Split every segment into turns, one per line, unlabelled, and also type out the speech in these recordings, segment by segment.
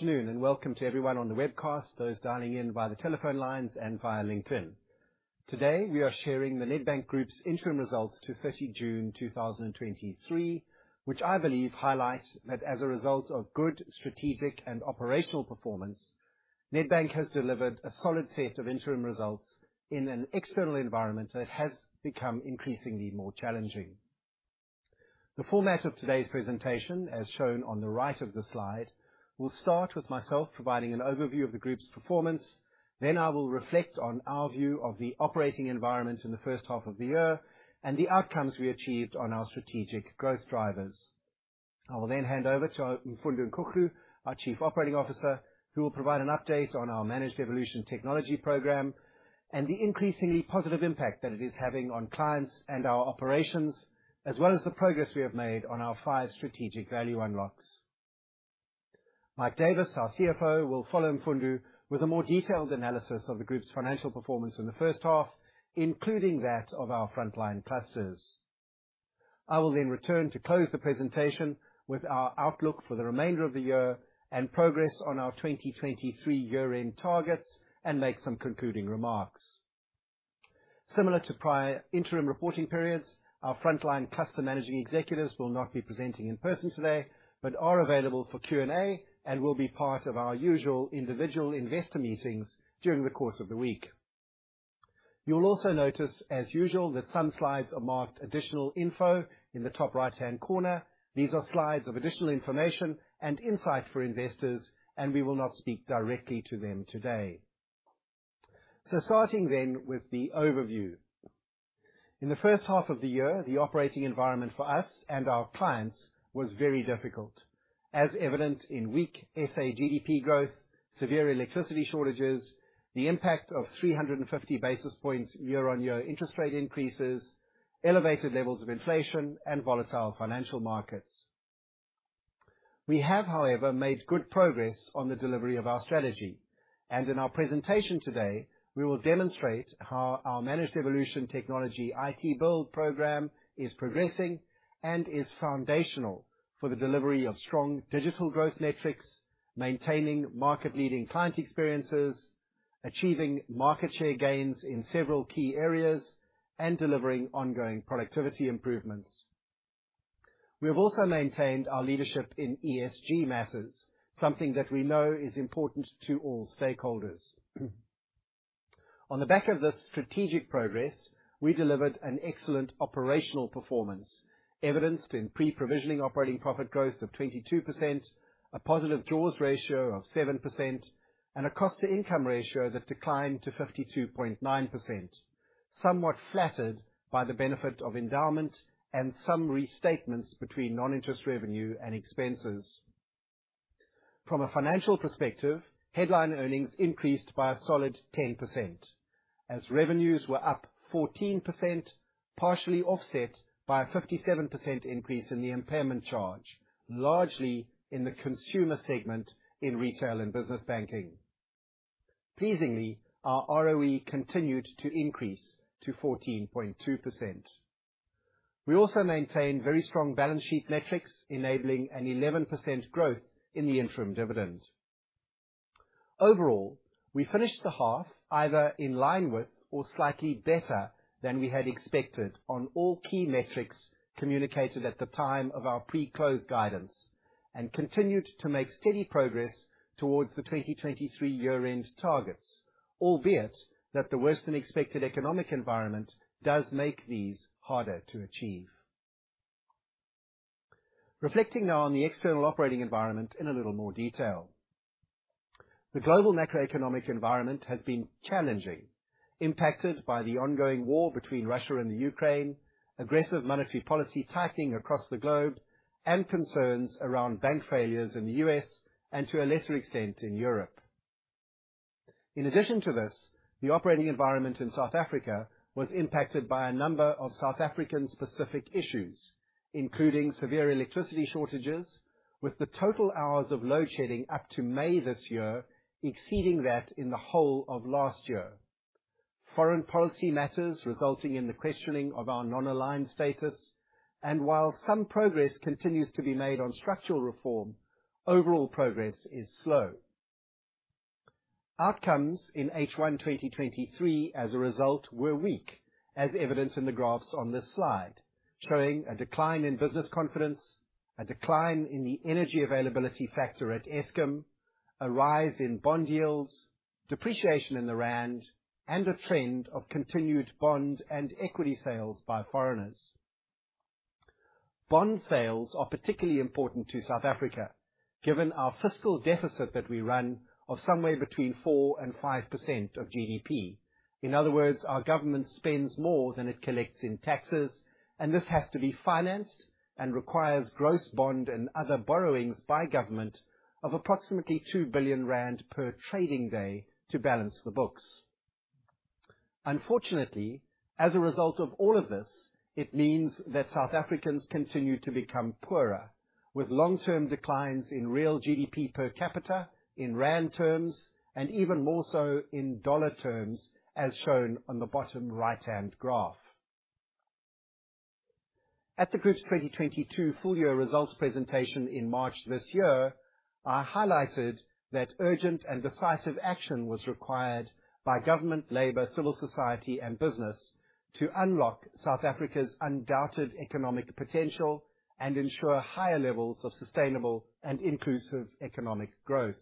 Good afternoon, welcome to everyone on the webcast, those dialing in via the telephone lines and via LinkedIn. Today, we are sharing the Nedbank Group's interim results to 30 June 2023, which I believe highlight that as a result of good strategic and operational performance, Nedbank has delivered a solid set of interim results in an external environment that has become increasingly more challenging. The format of today's presentation, as shown on the right of the slide, will start with myself providing an overview of the group's performance. I will reflect on our view of the operating environment in the first half of the year and the outcomes we achieved on our strategic growth drivers. I will then hand over to Mfundo Nkuhlu, our Chief Operating Officer, who will provide an update on our Managed Evolution technology program and the increasingly positive impact that it is having on clients and our operations, as well as the progress we have made on our five strategic value unlocks. Mike Davis, our CFO, will follow Mfundo with a more detailed analysis of the Group's financial performance in the first half, including that of our frontline clusters. I will then return to close the presentation with our outlook for the remainder of the year and progress on our 2023 year-end targets and make some concluding remarks. Similar to prior interim reporting periods, our frontline cluster managing executives will not be presenting in person today, but are available for Q&A and will be part of our usual individual investor meetings during the course of the week. You'll also notice, as usual, that some slides are marked Additional Info in the top right-hand corner. These are slides of additional information and insight for investors, and we will not speak directly to them today. Starting then with the overview. In the first half of the year, the operating environment for us and our clients was very difficult, as evident in weak SA GDP growth, severe electricity shortages, the impact of 350 basis points year-on-year interest rate increases, elevated levels of inflation, and volatile financial markets. We have, however, made good progress on the delivery of our strategy, and in our presentation today, we will demonstrate how our Managed Evolution technology, IT build program is progressing and is foundational for the delivery of strong digital growth metrics, maintaining market-leading client experiences, achieving market share gains in several key areas, and delivering ongoing productivity improvements. We have also maintained our leadership in ESG matters, something that we know is important to all stakeholders. On the back of this strategic progress, we delivered an excellent operational performance, evidenced in pre-provisioning operating profit growth of 22%, a positive JAWS ratio of 7%, and a cost-to-income ratio that declined to 52.9%, somewhat flattered by the benefit of endowment and some restatements between non-interest revenue and expenses. From a financial perspective, headline earnings increased by a solid 10%, as revenues were up 14%, partially offset by a 57% increase in the impairment charge, largely in the consumer segment in Retail and Business Banking. Pleasingly, our ROE continued to increase to 14.2%. We also maintained very strong balance sheet metrics, enabling an 11% growth in the interim dividend. Overall, we finished the half either in line with or slightly better than we had expected on all key metrics communicated at the time of our pre-close guidance, and continued to make steady progress towards the 2023 year-end targets, albeit that the worse-than-expected economic environment does make these harder to achieve. Reflecting now on the external operating environment in a little more detail. The global macroeconomic environment has been challenging, impacted by the ongoing war between Russia and Ukraine, aggressive monetary policy tightening across the globe, and concerns around bank failures in the U.S., and to a lesser extent, in Europe. In addition to this, the operating environment in South Africa was impacted by a number of South African-specific issues, including severe electricity shortages, with the total hours of load shedding up to May this year exceeding that in the whole of last year. Foreign policy matters resulting in the questioning of our non-aligned status. While some progress continues to be made on structural reform, overall progress is slow. Outcomes in H1 2023, as a result, were weak, as evidenced in the graphs on this slide, showing a decline in business confidence, a decline in the energy availability factor at Eskom, a rise in bond yields, depreciation in the rand, and a trend of continued bond and equity sales by foreigners. Bond sales are particularly important to South Africa, given our fiscal deficit that we run of somewhere between 4% and 5% of GDP. In other words, our government spends more than it collects in taxes, and this has to be financed and requires gross bond and other borrowings by government of approximately 2 billion rand per trading day to balance the books. Unfortunately, as a result of all of this, it means that South Africans continue to become poorer, with long-term declines in real GDP per capita in rand terms, and even more so in dollar terms, as shown on the bottom right-hand graph.... At the Group's 2022 full year results presentation in March this year, I highlighted that urgent and decisive action was required by government, labor, civil society, and business to unlock South Africa's undoubted economic potential and ensure higher levels of sustainable and inclusive economic growth.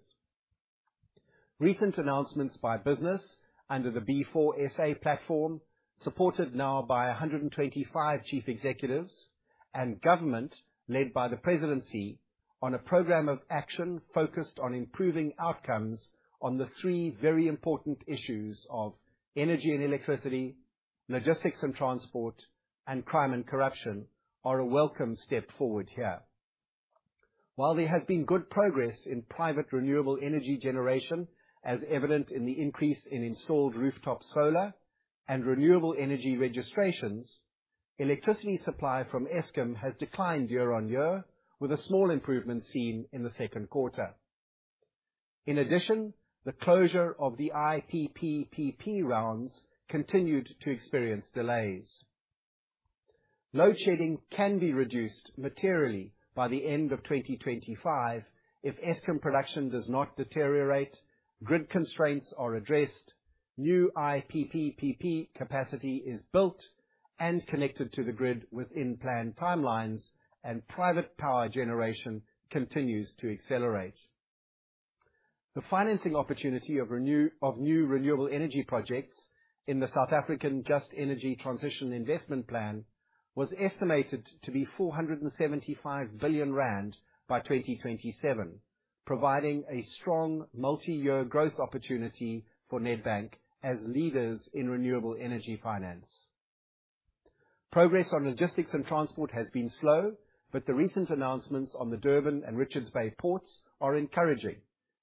Recent announcements by business under the B4SA platform, supported now by 125 chief executives, and government, led by the presidency, on a program of action focused on improving outcomes on the three very important issues of energy and electricity, logistics and transport, and crime and corruption, are a welcome step forward here. While there has been good progress in private renewable energy generation, as evident in the increase in installed rooftop solar and renewable energy registrations, electricity supply from Eskom has declined year-on-year, with a small improvement seen in the second quarter. In addition, the closure of the IPPPP rounds continued to experience delays. Load shedding can be reduced materially by the end of 2025 if Eskom production does not deteriorate, grid constraints are addressed, new IPPPP capacity is built and connected to the grid within planned timelines, and private power generation continues to accelerate. The financing opportunity of new renewable energy projects in the South African Just Energy Transition Investment Plan was estimated to be 475 billion rand by 2027, providing a strong multi-year growth opportunity for Nedbank as leaders in renewable energy finance. Progress on logistics and transport has been slow, but the recent announcements on the Durban and Richards Bay ports are encouraging,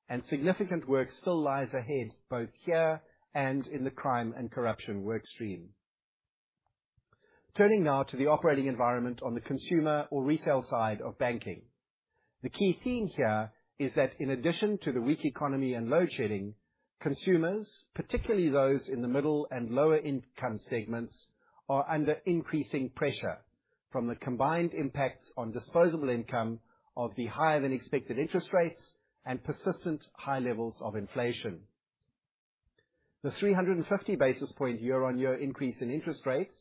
and significant work still lies ahead, both here and in the crime and corruption work stream. Turning now to the operating environment on the consumer or retail side of banking. The key theme here is that in addition to the weak economy and load shedding, consumers, particularly those in the middle and lower income segments, are under increasing pressure from the combined impacts on disposable income of the higher than expected interest rates and persistent high levels of inflation. The 350 basis point year-on-year increase in interest rates,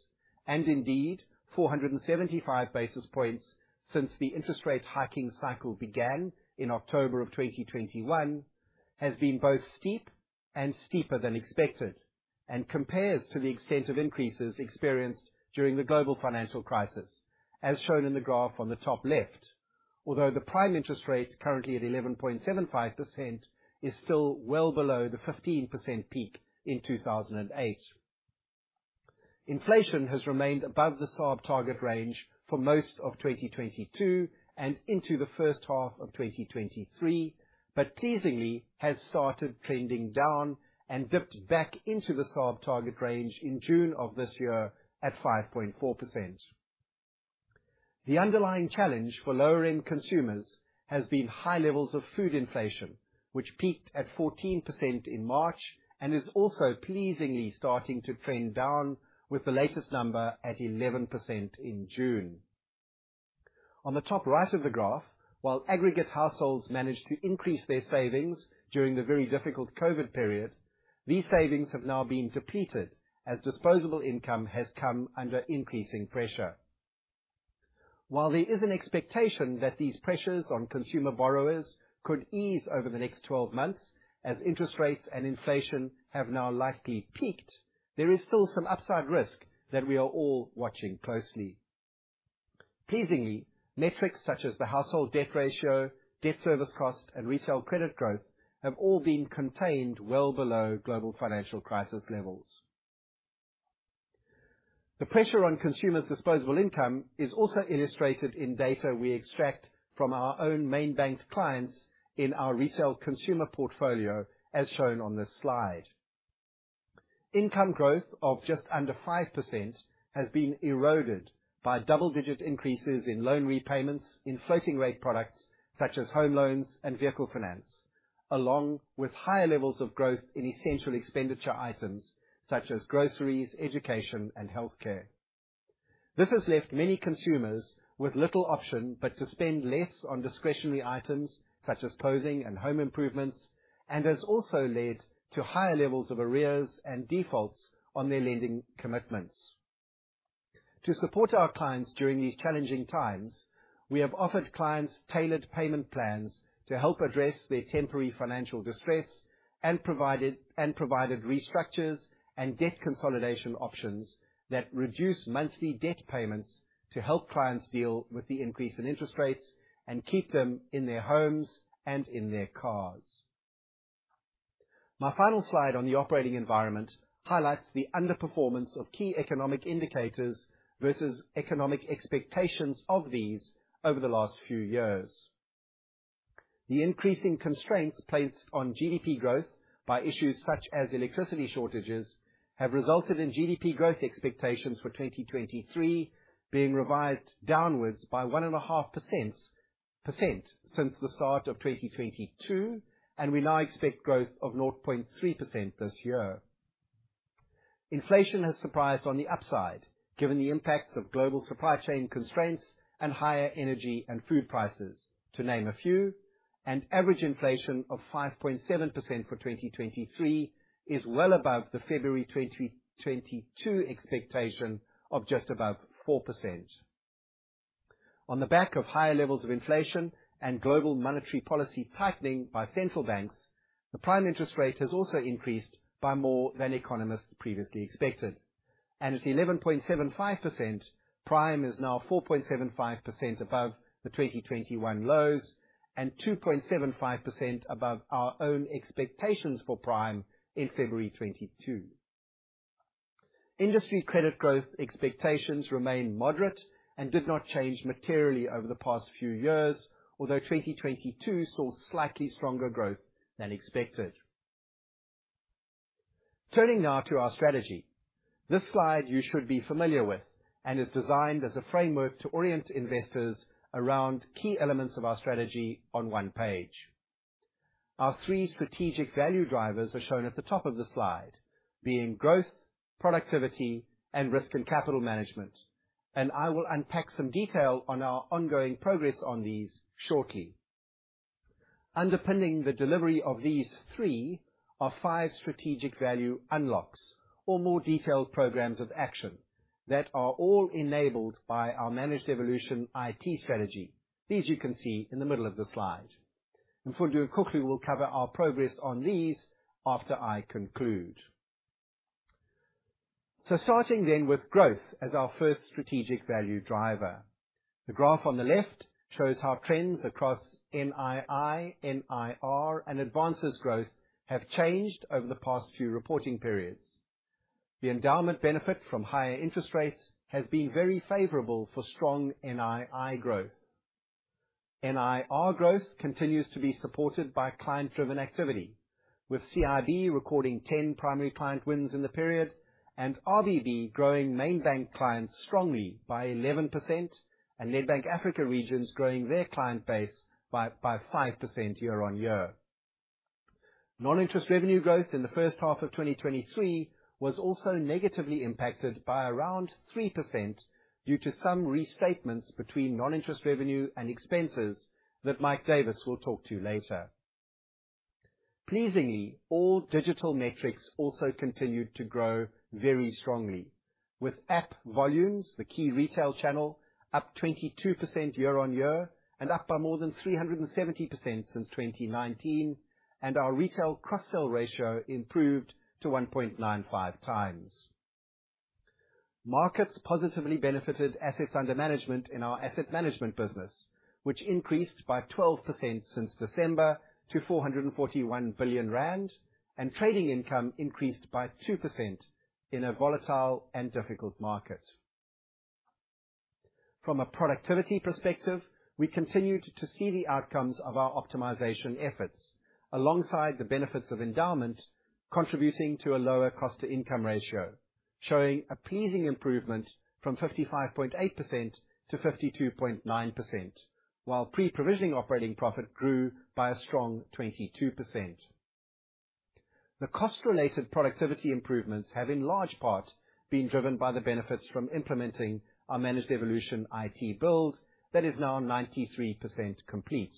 and indeed 475 basis points since the interest rate hiking cycle began in October of 2021, has been both steep and steeper than expected, and compares to the extent of increases experienced during the global financial crisis, as shown in the graph on the top left. Although the prime interest rate, currently at 11.75%, is still well below the 15% peak in 2008. Inflation has remained above the SARB target range for most of 2022 and into the first half of 2023, but pleasingly, has started trending down and dipped back into the SARB target range in June of this year at 5.4%. The underlying challenge for lower income consumers has been high levels of food inflation, which peaked at 14% in March and is also pleasingly starting to trend down, with the latest number at 11% in June. On the top right of the graph, while aggregate households managed to increase their savings during the very difficult COVID period, these savings have now been depleted as disposable income has come under increasing pressure. While there is an expectation that these pressures on consumer borrowers could ease over the next 12 months, as interest rates and inflation have now likely peaked, there is still some upside risk that we are all watching closely. Pleasingly, metrics such as the household debt ratio, debt service cost, and retail credit growth have all been contained well below global financial crisis levels. The pressure on consumers' disposable income is also illustrated in data we extract from our own main banked clients in our retail consumer portfolio, as shown on this slide. Income growth of just under 5% has been eroded by double-digit increases in loan repayments in floating rate products, such as home loans and vehicle finance, along with higher levels of growth in essential expenditure items such as groceries, education, and healthcare. This has left many consumers with little option but to spend less on discretionary items, such as clothing and home improvements, and has also led to higher levels of arrears and defaults on their lending commitments. To support our clients during these challenging times, we have offered clients tailored payment plans to help address their temporary financial distress, and provided restructures and debt consolidation options that reduce monthly debt payments to help clients deal with the increase in interest rates and keep them in their homes and in their cars. My final slide on the operating environment highlights the underperformance of key economic indicators versus economic expectations of these over the last few years. The increasing constraints placed on GDP growth by issues such as electricity shortages, have resulted in GDP growth expectations for 2023 being revised downwards by 1.5% since the start of 2022, and we now expect growth of 0.3% this year. Inflation has surprised on the upside, given the impacts of global supply chain constraints and higher energy and food prices, to name a few. Average inflation of 5.7% for 2023 is well above the February 2022 expectation of just about 4%. On the back of higher levels of inflation and global monetary policy tightening by central banks, the prime interest rate has also increased by more than economists previously expected. At 11.75%, Prime is now 4.75% above the 2021 lows and 2.75% above our own expectations for Prime in February 2022. Industry credit growth expectations remain moderate and did not change materially over the past few years, although 2022 saw slightly stronger growth than expected. Turning now to our strategy. This slide you should be familiar with and is designed as a framework to orient investors around key elements of our strategy on one page. Our three strategic value drivers are shown at the top of the slide, being growth, productivity, and risk and capital management. I will unpack some detail on our ongoing progress on these shortly. Underpinning the delivery of these three are five strategic value unlocks or more detailed programs of action that are all enabled by our Managed Evolution IT strategy. These you can see in the middle of the slide. Mfundo Nkuhlu will cover our progress on these after I conclude. Starting then with growth as our first strategic value driver, the graph on the left shows how trends across NII, NIR and advances growth have changed over the past few reporting periods. The endowment benefit from higher interest rates has been very favorable for strong NII growth. NIR growth continues to be supported by client-driven activity, with CIB recording 10 primary client wins in the period, and RBB growing main bank clients strongly by 11% and Nedbank Africa Regions growing their client base by 5% year on year. Non-interest revenue growth in the first half of 2023 was also negatively impacted by around 3% due to some restatements between non-interest revenue and expenses that Mike Davis will talk to later. Pleasingly, all digital metrics also continued to grow very strongly, with app volumes, the key retail channel, up 22% year on year and up by more than 370% since 2019, and our retail cross-sell ratio improved to 1.95 times. Markets positively benefited assets under management in our asset management business, which increased by 12% since December to 441 billion rand, and trading income increased by 2% in a volatile and difficult market. From a productivity perspective, we continued to see the outcomes of our optimization efforts, alongside the benefits of endowment, contributing to a lower cost-to-income ratio, showing a pleasing improvement from 55.8% to 52.9%, while pre-provisioning operating profit grew by a strong 22%. The cost-related productivity improvements have, in large part, been driven by the benefits from implementing our Managed Evolution IT build that is now 93% complete.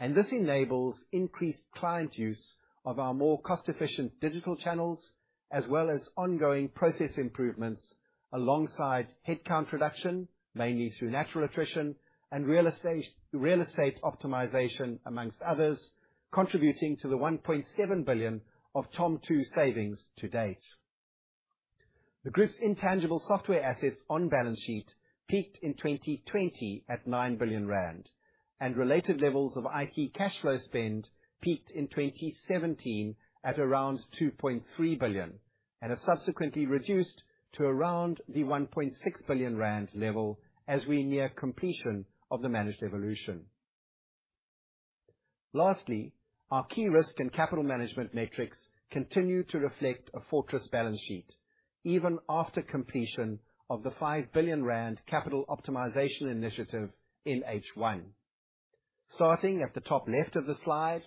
This enables increased client use of our more cost-efficient digital channels, as well as ongoing process improvements alongside headcount reduction, mainly through natural attrition and real estate, real estate optimization, amongst others, contributing to the 1.7 billion of TOM 2.0 savings to date. The group's intangible software assets on balance sheet peaked in 2020 at 9 billion rand, and related levels of IT cash flow spend peaked in 2017 at around 2.3 billion and have subsequently reduced to around the 1.6 billion rand level as we near completion of the Managed Evolution. Lastly, our key risk and capital management metrics continue to reflect a fortress balance sheet, even after completion of the 5 billion rand capital optimization initiative in H1. Starting at the top left of the slide,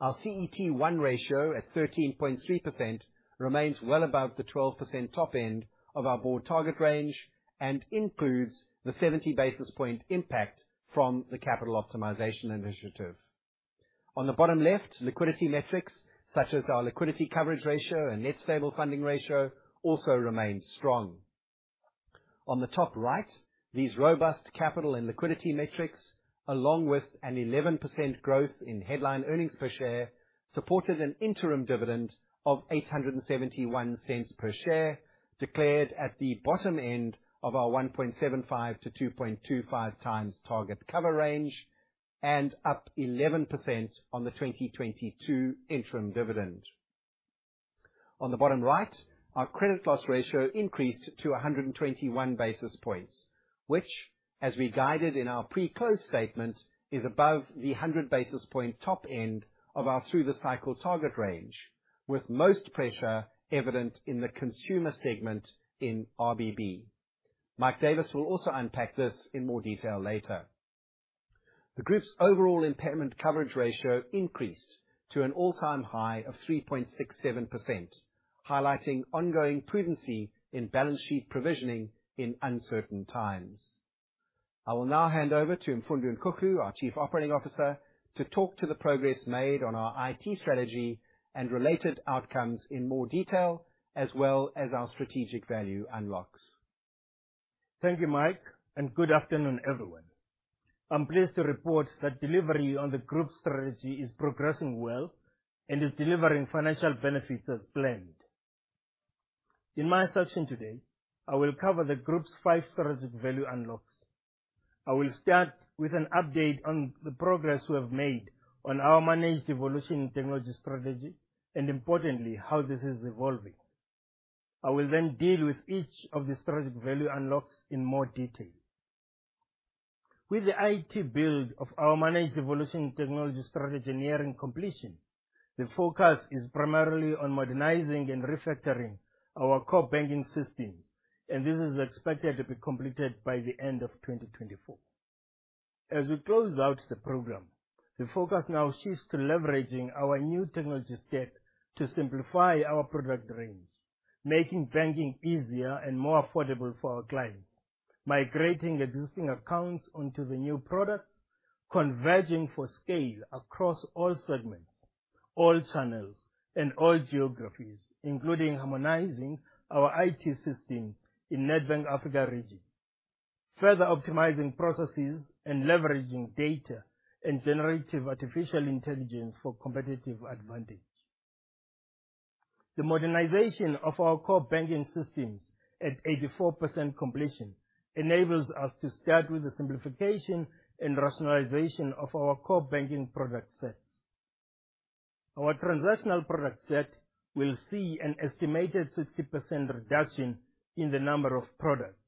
our CET1 ratio at 13.3% remains well above the 12% top end of our board target range and includes the 70 basis point impact from the capital optimization initiative. On the bottom left, liquidity metrics, such as our liquidity coverage ratio and net stable funding ratio, also remain strong. On the top right, these robust capital and liquidity metrics, along with an 11% growth in headline earnings per share, supported an interim dividend of 8.71 per share, declared at the bottom end of our 1.75-2.25x target cover range and up 11% on the 2022 interim dividend. On the bottom right, our credit loss ratio increased to 121 basis points, which, as we guided in our pre-close statement, is above the 100 basis point top end of our through the cycle target range, with most pressure evident in the consumer segment in RBB. Mike Davis will also unpack this in more detail later. The Group's overall impairment coverage ratio increased to an all-time high of 3.67%, highlighting ongoing prudency in balance sheet provisioning in uncertain times. I will now hand over to Mfundo Nkuhlu, our Chief Operating Officer, to talk to the progress made on our IT strategy and related outcomes in more detail, as well as our strategic value unlocks.
Thank you, Mike. Good afternoon, everyone. I'm pleased to report that delivery on the group's strategy is progressing well and is delivering financial benefits as planned. In my section today, I will cover the group's 5 strategic value unlocks. I will start with an update on the progress we have made on our Managed Evolution technology strategy and importantly, how this is evolving. I will deal with each of the strategic value unlocks in more detail. With the IT build of our Managed Evolution technology strategy nearing completion, the focus is primarily on modernizing and refactoring our core banking systems, and this is expected to be completed by the end of 2024. As we close out the program, the focus now shifts to leveraging our new technology stack to simplify our product range, making banking easier and more affordable for our clients, migrating existing accounts onto the new products, converging for scale across all segments, all channels, and all geographies, including harmonizing our IT systems in Nedbank Africa Regions. Further optimizing processes and leveraging data and generative artificial intelligence for competitive advantage. The modernization of our core banking systems at 84% completion enables us to start with the simplification and rationalization of our core banking product sets. Our transactional product set will see an estimated 60% reduction in the number of products,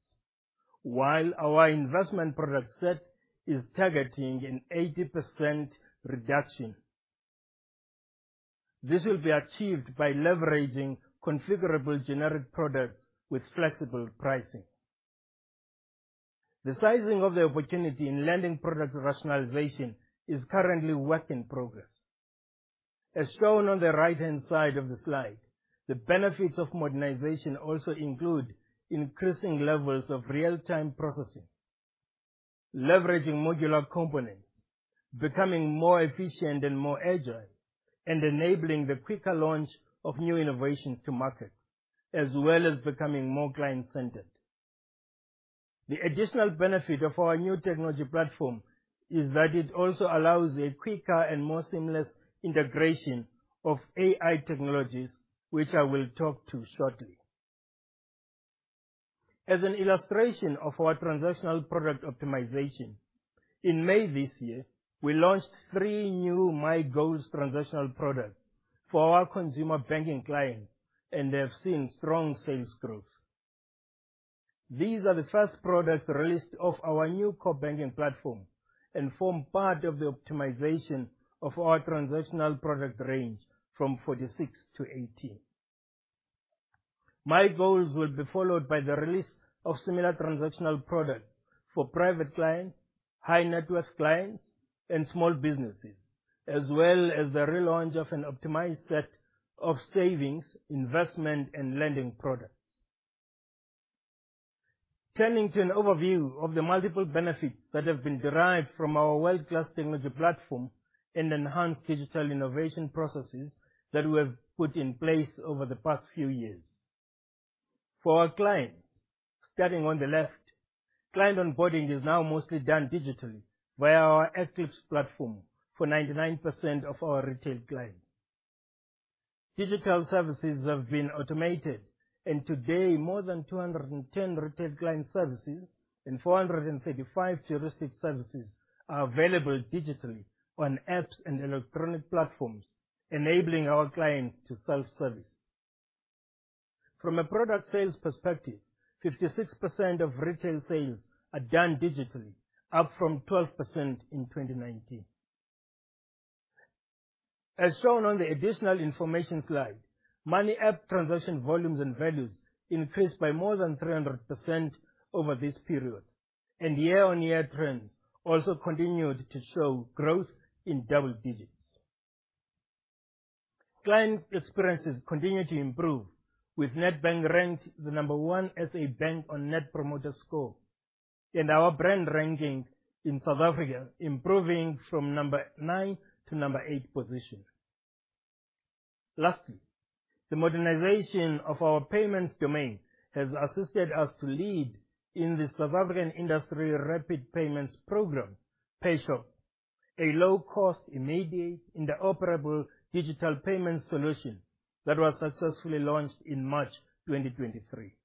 while our investment product set is targeting an 80% reduction. This will be achieved by leveraging configurable generic products with flexible pricing. The sizing of the opportunity in lending product rationalization is currently work in progress. As shown on the right-hand side of the slide, the benefits of modernization also include increasing levels of real-time processing, leveraging modular components, becoming more efficient and more agile, and enabling the quicker launch of new innovations to market, as well as becoming more client-centered. The additional benefit of our new technology platform is that it also allows a quicker and more seamless integration of AI technologies, which I will talk to shortly. As an illustration of our transactional product optimization, in May this year, we launched 3 new MiGoals transactional products for our consumer banking clients, and they have seen strong sales growth. These are the first products released off our new core banking platform and form part of the optimization of our transactional product range from 46 to 18. MiGoals will be followed by the release of similar transactional products for private clients, high net worth clients, and small businesses, as well as the relaunch of an optimized set of savings, investment, and lending products. Turning to an overview of the multiple benefits that have been derived from our world-class technology platform and enhanced digital innovation processes that we have put in place over the past few years. For our clients, starting on the left, client onboarding is now mostly done digitally via our Eclipse platform for 99% of our retail clients. Digital services have been automated, and today, more than 210 retail client services and 435 juristic services are available digitally on apps and electronic platforms, enabling our clients to self-service. From a product sales perspective, 56% of retail sales are done digitally, up from 12% in 2019. As shown on the Additional Info slide, Money app transaction volumes and values increased by more than 300% over this period, and year-on-year trends also continued to show growth in double digits. Client experiences continue to improve, with Nedbank ranked the number 1 SA bank on Net Promoter Score, and our brand ranking in South Africa improving from number 9 to number 8 position. Lastly, the modernization of our payments domain has assisted us to lead in the South African industry Rapid Payments Programme, PayShap, a low-cost, immediate, interoperable digital payment solution that was successfully launched in March 2023.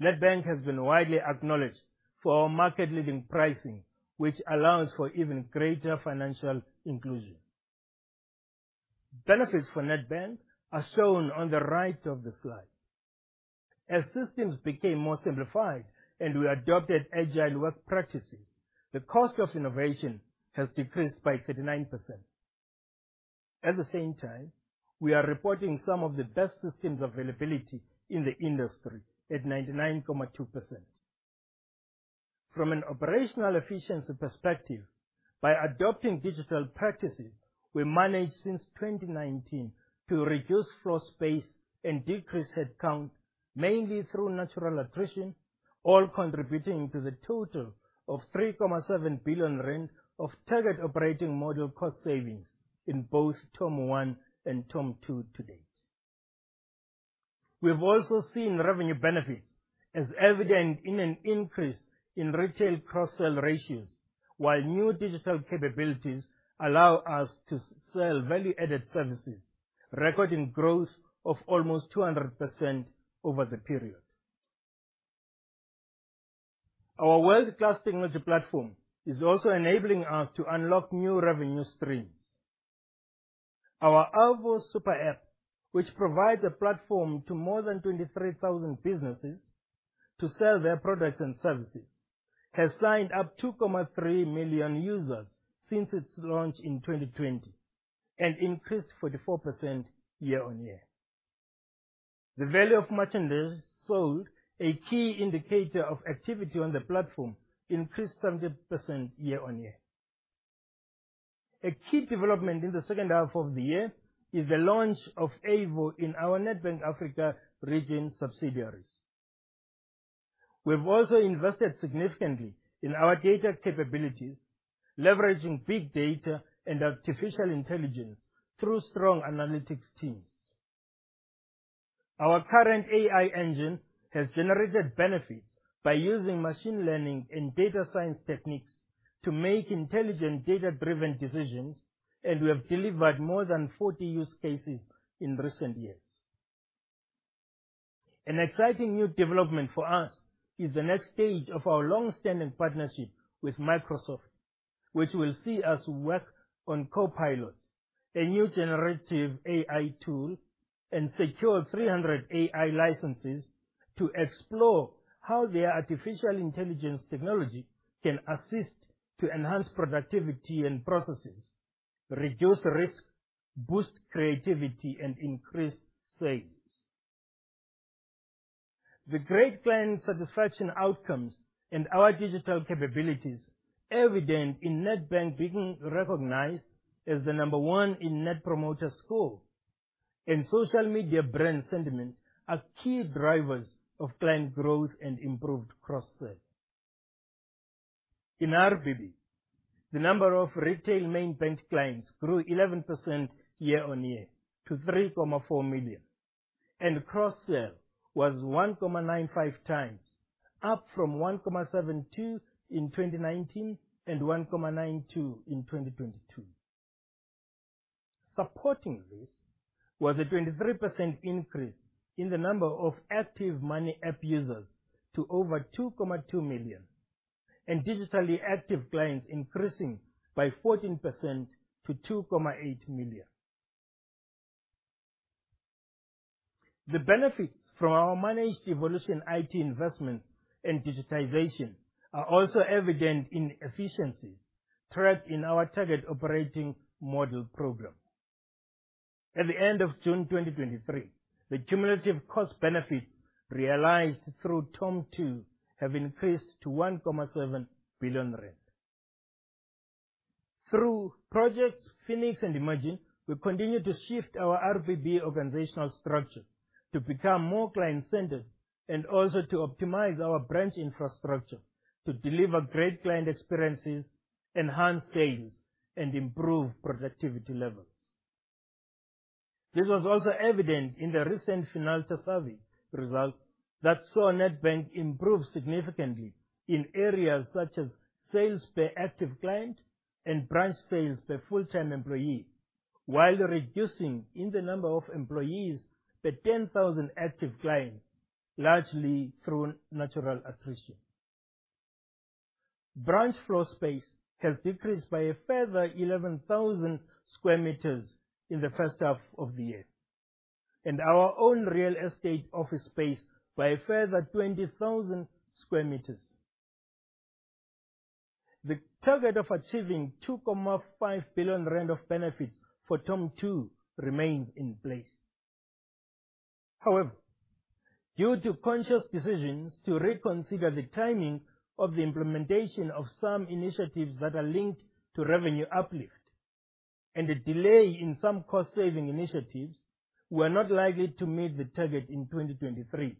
Nedbank has been widely acknowledged for our market-leading pricing, which allows for even greater financial inclusion. Benefits for Nedbank are shown on the right of the slide. As systems became more simplified and we adopted agile work practices, the cost of innovation has decreased by 39%. At the same time, we are reporting some of the best systems availability in the industry at 99.2%. From an operational efficiency perspective, by adopting digital practices, we managed since 2019 to reduce floor space and decrease headcount, mainly through natural attrition, all contributing to the total of 3.7 billion rand of Target Operating Model cost savings in both TOM 1.0 and TOM 2.0 to date. We've also seen revenue benefits, as evident in an increase in retail cross-sell ratios, while new digital capabilities allow us to sell value-added services, recording growth of almost 200% over the period. Our world-class technology platform is also enabling us to unlock new revenue streams. Our Avo super app, which provides a platform to more than 23,000 businesses to sell their products and services, has signed up 2.3 million users since its launch in 2020 and increased 44% year-on-year. The value of merchandise sold, a key indicator of activity on the platform, increased 70% year-on-year. A key development in the second half of the year is the launch of Avo in our Nedbank Africa Regions subsidiaries. We've also invested significantly in our data capabilities, leveraging big data and artificial intelligence through strong analytics teams. Our current AI engine has generated benefits by using machine learning and data science techniques to make intelligent, data-driven decisions, and we have delivered more than 40 use cases in recent years. An exciting new development for us is the next stage of our long-standing partnership with Microsoft, which will see us work on Copilot, a new generative AI tool, and secure 300 AI licenses to explore how their artificial intelligence technology can assist to enhance productivity and processes, reduce risk, boost creativity, and increase sales. The great client satisfaction outcomes and our digital capabilities, evident in Nedbank being recognized as the number one in Net Promoter Score and social media brand sentiment, are key drivers of client growth and improved cross-sell. In RBB, the number of retail main bank clients grew 11% year-on-year to 3.4 million, and cross-sell was 1.95 times, up from 1.72 in 2019 and 1.92 in 2022. Supporting this was a 23% increase in the number of active Money app users to over 2.2 million, and digitally active clients increasing by 14% to 2.8 million. The benefits from our Managed Evolution, IT investments and digitization are also evident in efficiencies tracked in our Target Operating Model programme. At the end of June 2023, the cumulative cost benefits realized through TOM 2.0 have increased to 1.7 billion rand. Through Projects Phoenix and Imagine, we continue to shift our RBB organizational structure to become more client-centered and also to optimize our branch infrastructure to deliver great client experiences, enhance sales, and improve productivity levels. This was also evident in the recent Finalta survey results that saw Nedbank improve significantly in areas such as sales per active client and branch sales per full-time employee, while reducing in the number of employees per 10,000 active clients, largely through natural attrition. Branch floor space has decreased by a further 11,000 square meters in the first half of the year, and our own real estate office space by a further 20,000 square meters. The target of achieving 2.5 billion rand of benefits for TOM 2.0 remains in place. Due to conscious decisions to reconsider the timing of the implementation of some initiatives that are linked to revenue uplift and a delay in some cost-saving initiatives, we are not likely to meet the target in 2023,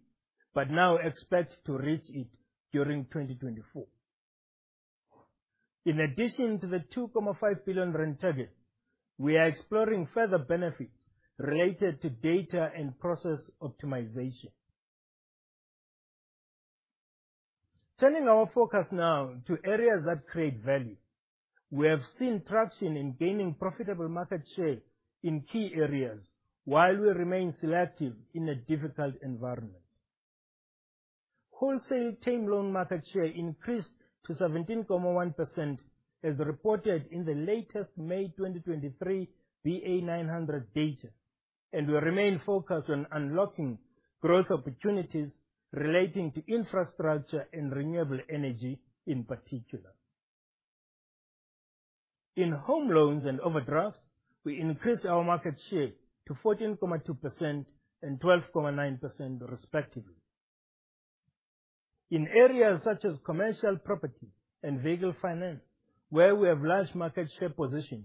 but now expect to reach it during 2024. In addition to the 2.5 billion target, we are exploring further benefits related to data and process optimization. Turning our focus now to areas that create value. We have seen traction in gaining profitable market share in key areas while we remain selective in a difficult environment. Wholesale team loan market share increased to 17.1%, as reported in the latest May 2023 BA900 data.... We remain focused on unlocking growth opportunities relating to infrastructure and renewable energy, in particular. In home loans and overdrafts, we increased our market share to 14.2% and 12.9%, respectively. In areas such as commercial property and vehicle finance, where we have large market share positions,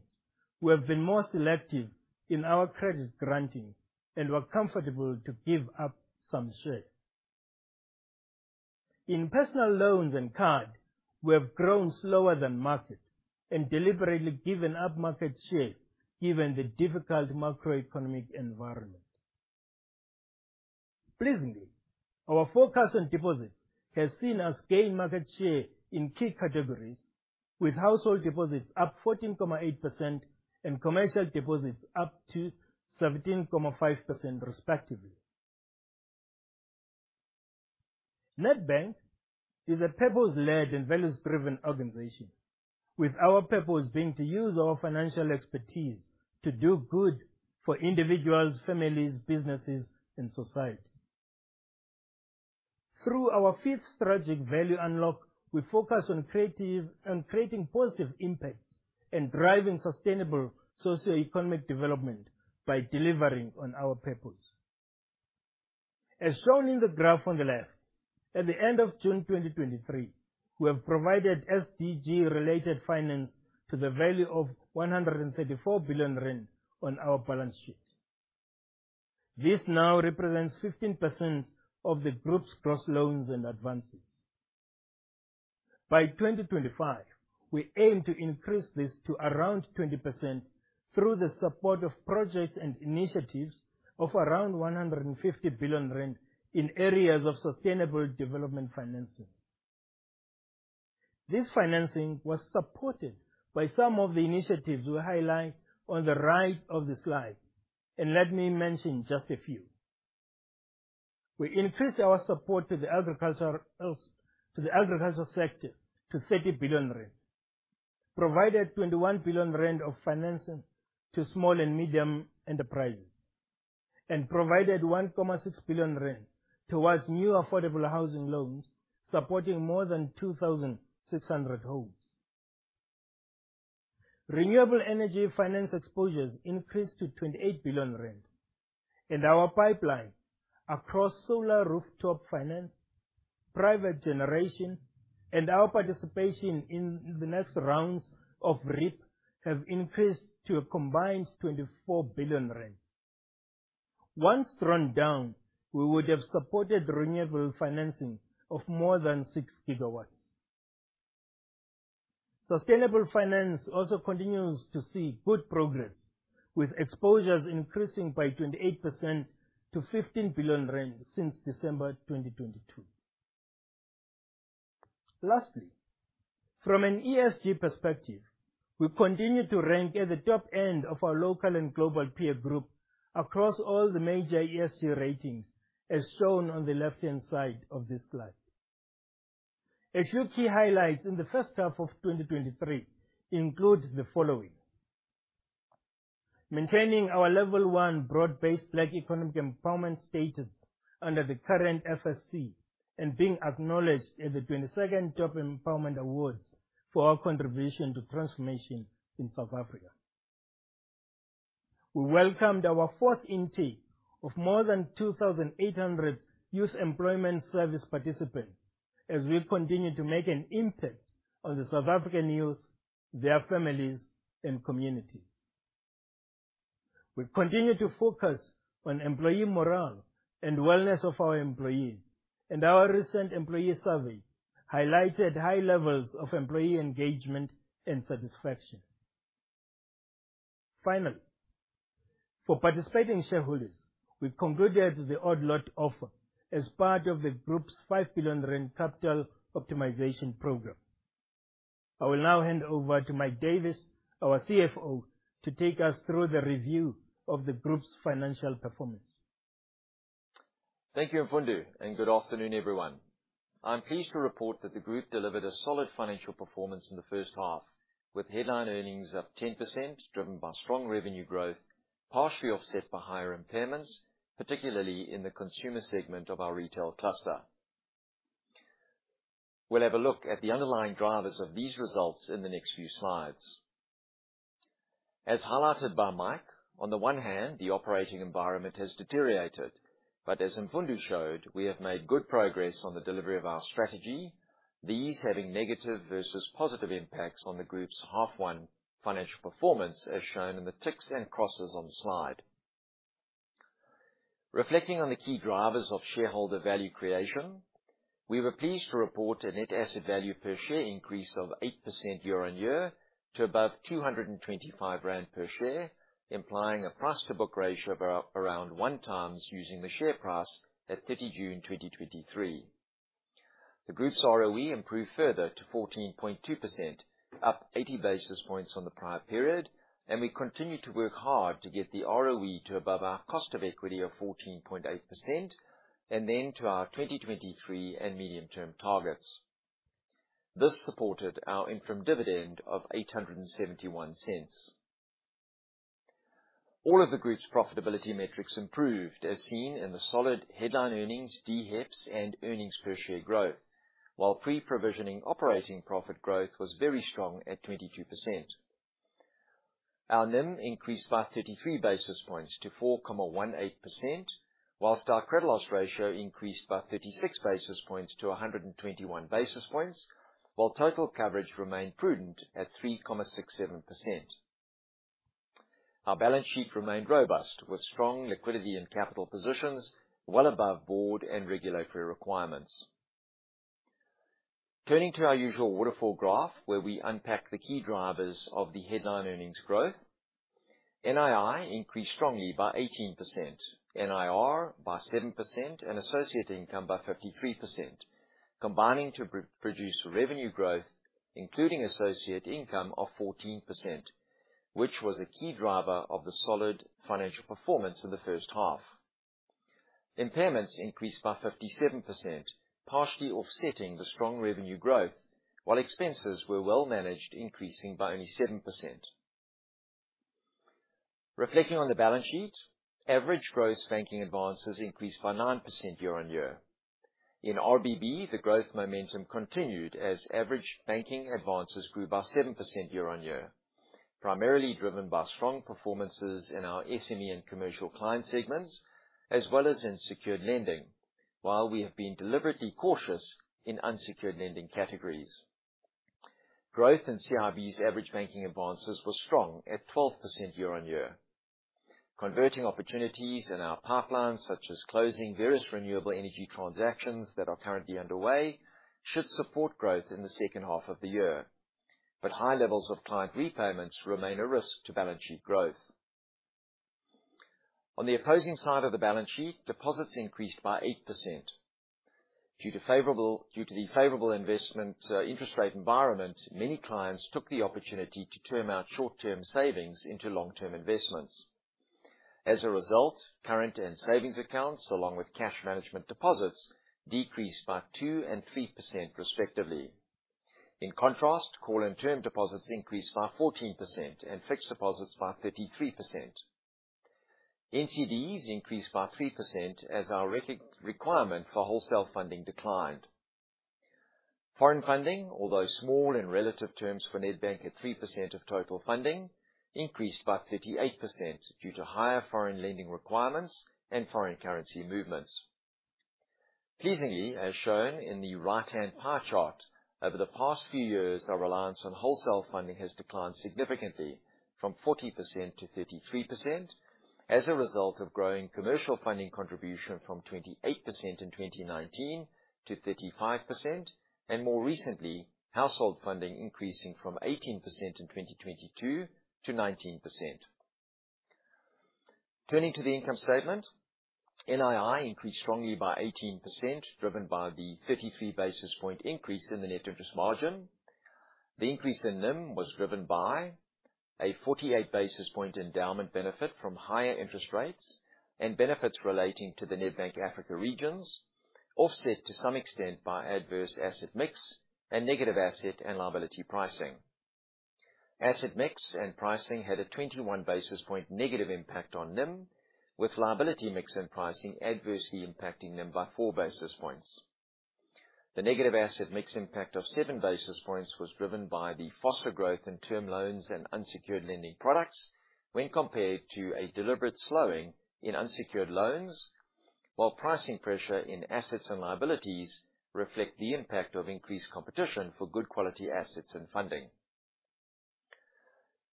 we have been more selective in our credit granting, and we're comfortable to give up some share. In personal loans and card, we have grown slower than market and deliberately given up market share, given the difficult macroeconomic environment. Pleasingly, our focus on deposits has seen us gain market share in key categories, with household deposits up 14.8% and commercial deposits up to 17.5%, respectively. Nedbank is a purpose-led and values-driven organization, with our purpose being to use our financial expertise to do good for individuals, families, businesses, and society. Through our fifth strategic value unlock, we focus on creating positive impacts and driving sustainable socioeconomic development by delivering on our purpose. As shown in the graph on the left, at the end of June 2023, we have provided SDG-related finance to the value of 134 billion rand on our balance sheet. This now represents 15% of the group's gross loans and advances. By 2025, we aim to increase this to around 20% through the support of projects and initiatives of around 150 billion rand in areas of sustainable development financing. This financing was supported by some of the initiatives we highlight on the right of the slide, and let me mention just a few. We increased our support to the agricultural, to the agricultural sector to 30 billion rand, provided 21 billion rand of financing to small and medium enterprises, and provided 1.6 billion rand towards new affordable housing loans, supporting more than 2,600 homes. Renewable energy finance exposures increased to 28 billion rand, and our pipelines across solar rooftop finance, private generation, and our participation in the next rounds of REIP have increased to a combined 24 billion rand. Once drawn down, we would have supported renewable financing of more than 6 gigawatts. Sustainable finance also continues to see good progress, with exposures increasing by 28% to 15 billion rand since December 2022. Lastly, from an ESG perspective, we continue to rank at the top end of our local and global peer group across all the major ESG ratings, as shown on the left-hand side of this slide. A few key highlights in H1 2023 include the following: maintaining our Level 1 Broad-Based Black Economic Empowerment status under the current FSC, Being acknowledged at the 22nd Top Empowerment Awards for our contribution to transformation in South Africa. We welcomed our fourth intake of more than 2,800 Youth Employment Service participants as we continue to make an impact on the South African youth, their families, and communities. We continue to focus on employee morale and wellness of our employees. Our recent employee survey highlighted high levels of employee engagement and satisfaction. Finally, for participating shareholders, we concluded the odd-lot offer as part of the group's 5 billion rand capital optimization program. I will now hand over to Mike Davis, our CFO, to take us through the review of the group's financial performance.
Thank you, Mfundo. Good afternoon, everyone. I'm pleased to report that the group delivered a solid financial performance in H1, with headline earnings up 10%, driven by strong revenue growth, partially offset by higher impairments, particularly in the consumer segment of our retail cluster. We'll have a look at the underlying drivers of these results in the next few slides. As highlighted by Mike, on the one hand, the operating environment has deteriorated, but as Mfundo showed, we have made good progress on the delivery of our strategy, these having negative versus positive impacts on the group's H1 financial performance, as shown in the ticks and crosses on the slide. Reflecting on the key drivers of shareholder value creation, we were pleased to report a net asset value per share increase of 8% year-on-year to above 225 rand per share, implying a price to book ratio of around 1x using the share price at 30 June 2023. The group's ROE improved further to 14.2%, up 80 basis points on the prior period, and we continue to work hard to get the ROE to above our cost of equity of 14.8%, and then to our 2023 and medium-term targets. This supported our interim dividend of 8.71. All of the group's profitability metrics improved, as seen in the solid headline earnings, HEPS, and earnings per share growth, while pre-provisioning operating profit growth was very strong at 22%. Our NIM increased by 33 basis points to 4.18%, whilst our credit loss ratio increased by 36 basis points to 121 basis points, while total coverage remained prudent at 3.67%. Our balance sheet remained robust, with strong liquidity and capital positions well above board and regulatory requirements. Turning to our usual waterfall graph, where we unpack the key drivers of the headline earnings growth, NII increased strongly by 18%, NIR by 7%, and associate income by 53%, combining to produce revenue growth, including associate income of 14%, which was a key driver of the solid financial performance in the first half. Impairments increased by 57%, partially offsetting the strong revenue growth, while expenses were well managed, increasing by only 7%. Reflecting on the balance sheet, average gross banking advances increased by 9% year-on-year. In RBB, the growth momentum continued as average banking advances grew by 7% year-on-year, primarily driven by strong performances in our SME and commercial client segments, as well as in secured lending, while we have been deliberately cautious in unsecured lending categories. Growth in CIB's average banking advances was strong at 12% year-on-year. Converting opportunities in our pipelines, such as closing various renewable energy transactions that are currently underway, should support growth in the second half of the year. High levels of client repayments remain a risk to balance sheet growth. On the opposing side of the balance sheet, deposits increased by 8%. Due to the favorable investment, interest rate environment, many clients took the opportunity to term out short-term savings into long-term investments. As a result, current and savings accounts, along with cash management deposits, decreased by 2% and 3%, respectively. In contrast, call and term deposits increased by 14% and fixed deposits by 33%. NCDs increased by 3% as our requirement for wholesale funding declined. Foreign funding, although small in relative terms for Nedbank at 3% of total funding, increased by 38% due to higher foreign lending requirements and foreign currency movements. Pleasingly, as shown in the right-hand pie chart, over the past few years, our reliance on wholesale funding has declined significantly, from 40% to 33%, as a result of growing commercial funding contribution from 28% in 2019 to 35%, and more recently, household funding increasing from 18% in 2022 to 19%. Turning to the income statement, NII increased strongly by 18%, driven by the 33 basis point increase in the net interest margin. The increase in NIM was driven by a 48 basis point endowment benefit from higher interest rates and benefits relating to the Nedbank Africa Regions, offset to some extent by adverse asset mix and negative asset and liability pricing. Asset mix and pricing had a 21 basis point negative impact on NIM, with liability mix and pricing adversely impacting NIM by 4 basis points. The negative asset mix impact of 7 basis points was driven by the faster growth in term loans and unsecured lending products when compared to a deliberate slowing in unsecured loans, while pricing pressure in assets and liabilities reflect the impact of increased competition for good quality assets and funding.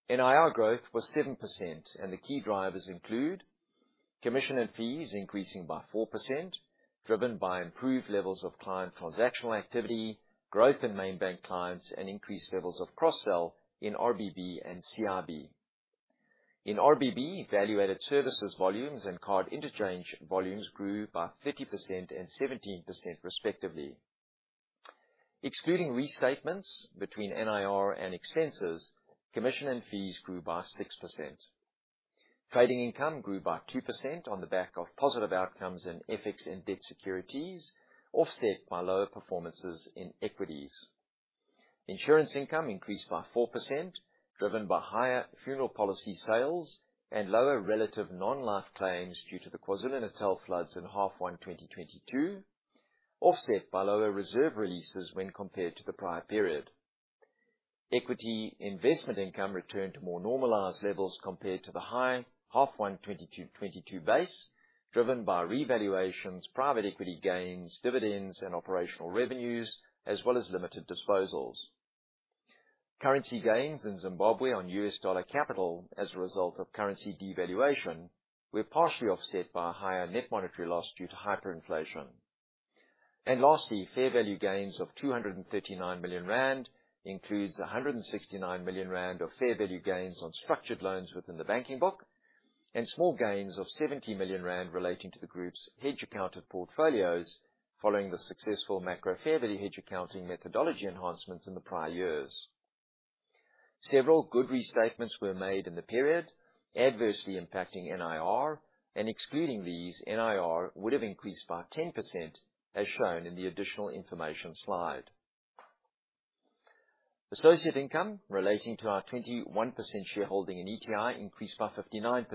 NIR growth was 7%, the key drivers include commission and fees increasing by 4%, driven by improved levels of client transactional activity, growth in main bank clients, and increased levels of cross-sell in RBB and CIB. In RBB, value-added services volumes and card interchange volumes grew by 30% and 17%, respectively. Excluding restatements between NIR and expenses, commission and fees grew by 6%. Trading income grew by 2% on the back of positive outcomes in FX and debt securities, offset by lower performances in equities. Insurance income increased by 4%, driven by higher funeral policy sales and lower relative non-life claims due to the KwaZulu-Natal floods in H1 2022, offset by lower reserve releases when compared to the prior period. Equity investment income returned to more normalized levels compared to the high H1 2022 base, driven by revaluations, private equity gains, dividends, and operational revenues, as well as limited disposals. Currency gains in Zimbabwe on US dollar capital as a result of currency devaluation were partially offset by a higher net monetary loss due to hyperinflation. Lastly, fair value gains of 239 million rand includes 169 million rand of fair value gains on structured loans within the banking book, and small gains of 70 million rand relating to the group's hedge accounted portfolios, following the successful macro fair value hedge accounting methodology enhancements in the prior years. Several good restatements were made in the period, adversely impacting NIR, and excluding these, NIR would have increased by 10%, as shown in the Additional Information slide. Associate income relating to our 21% shareholding in ETI increased by 59%.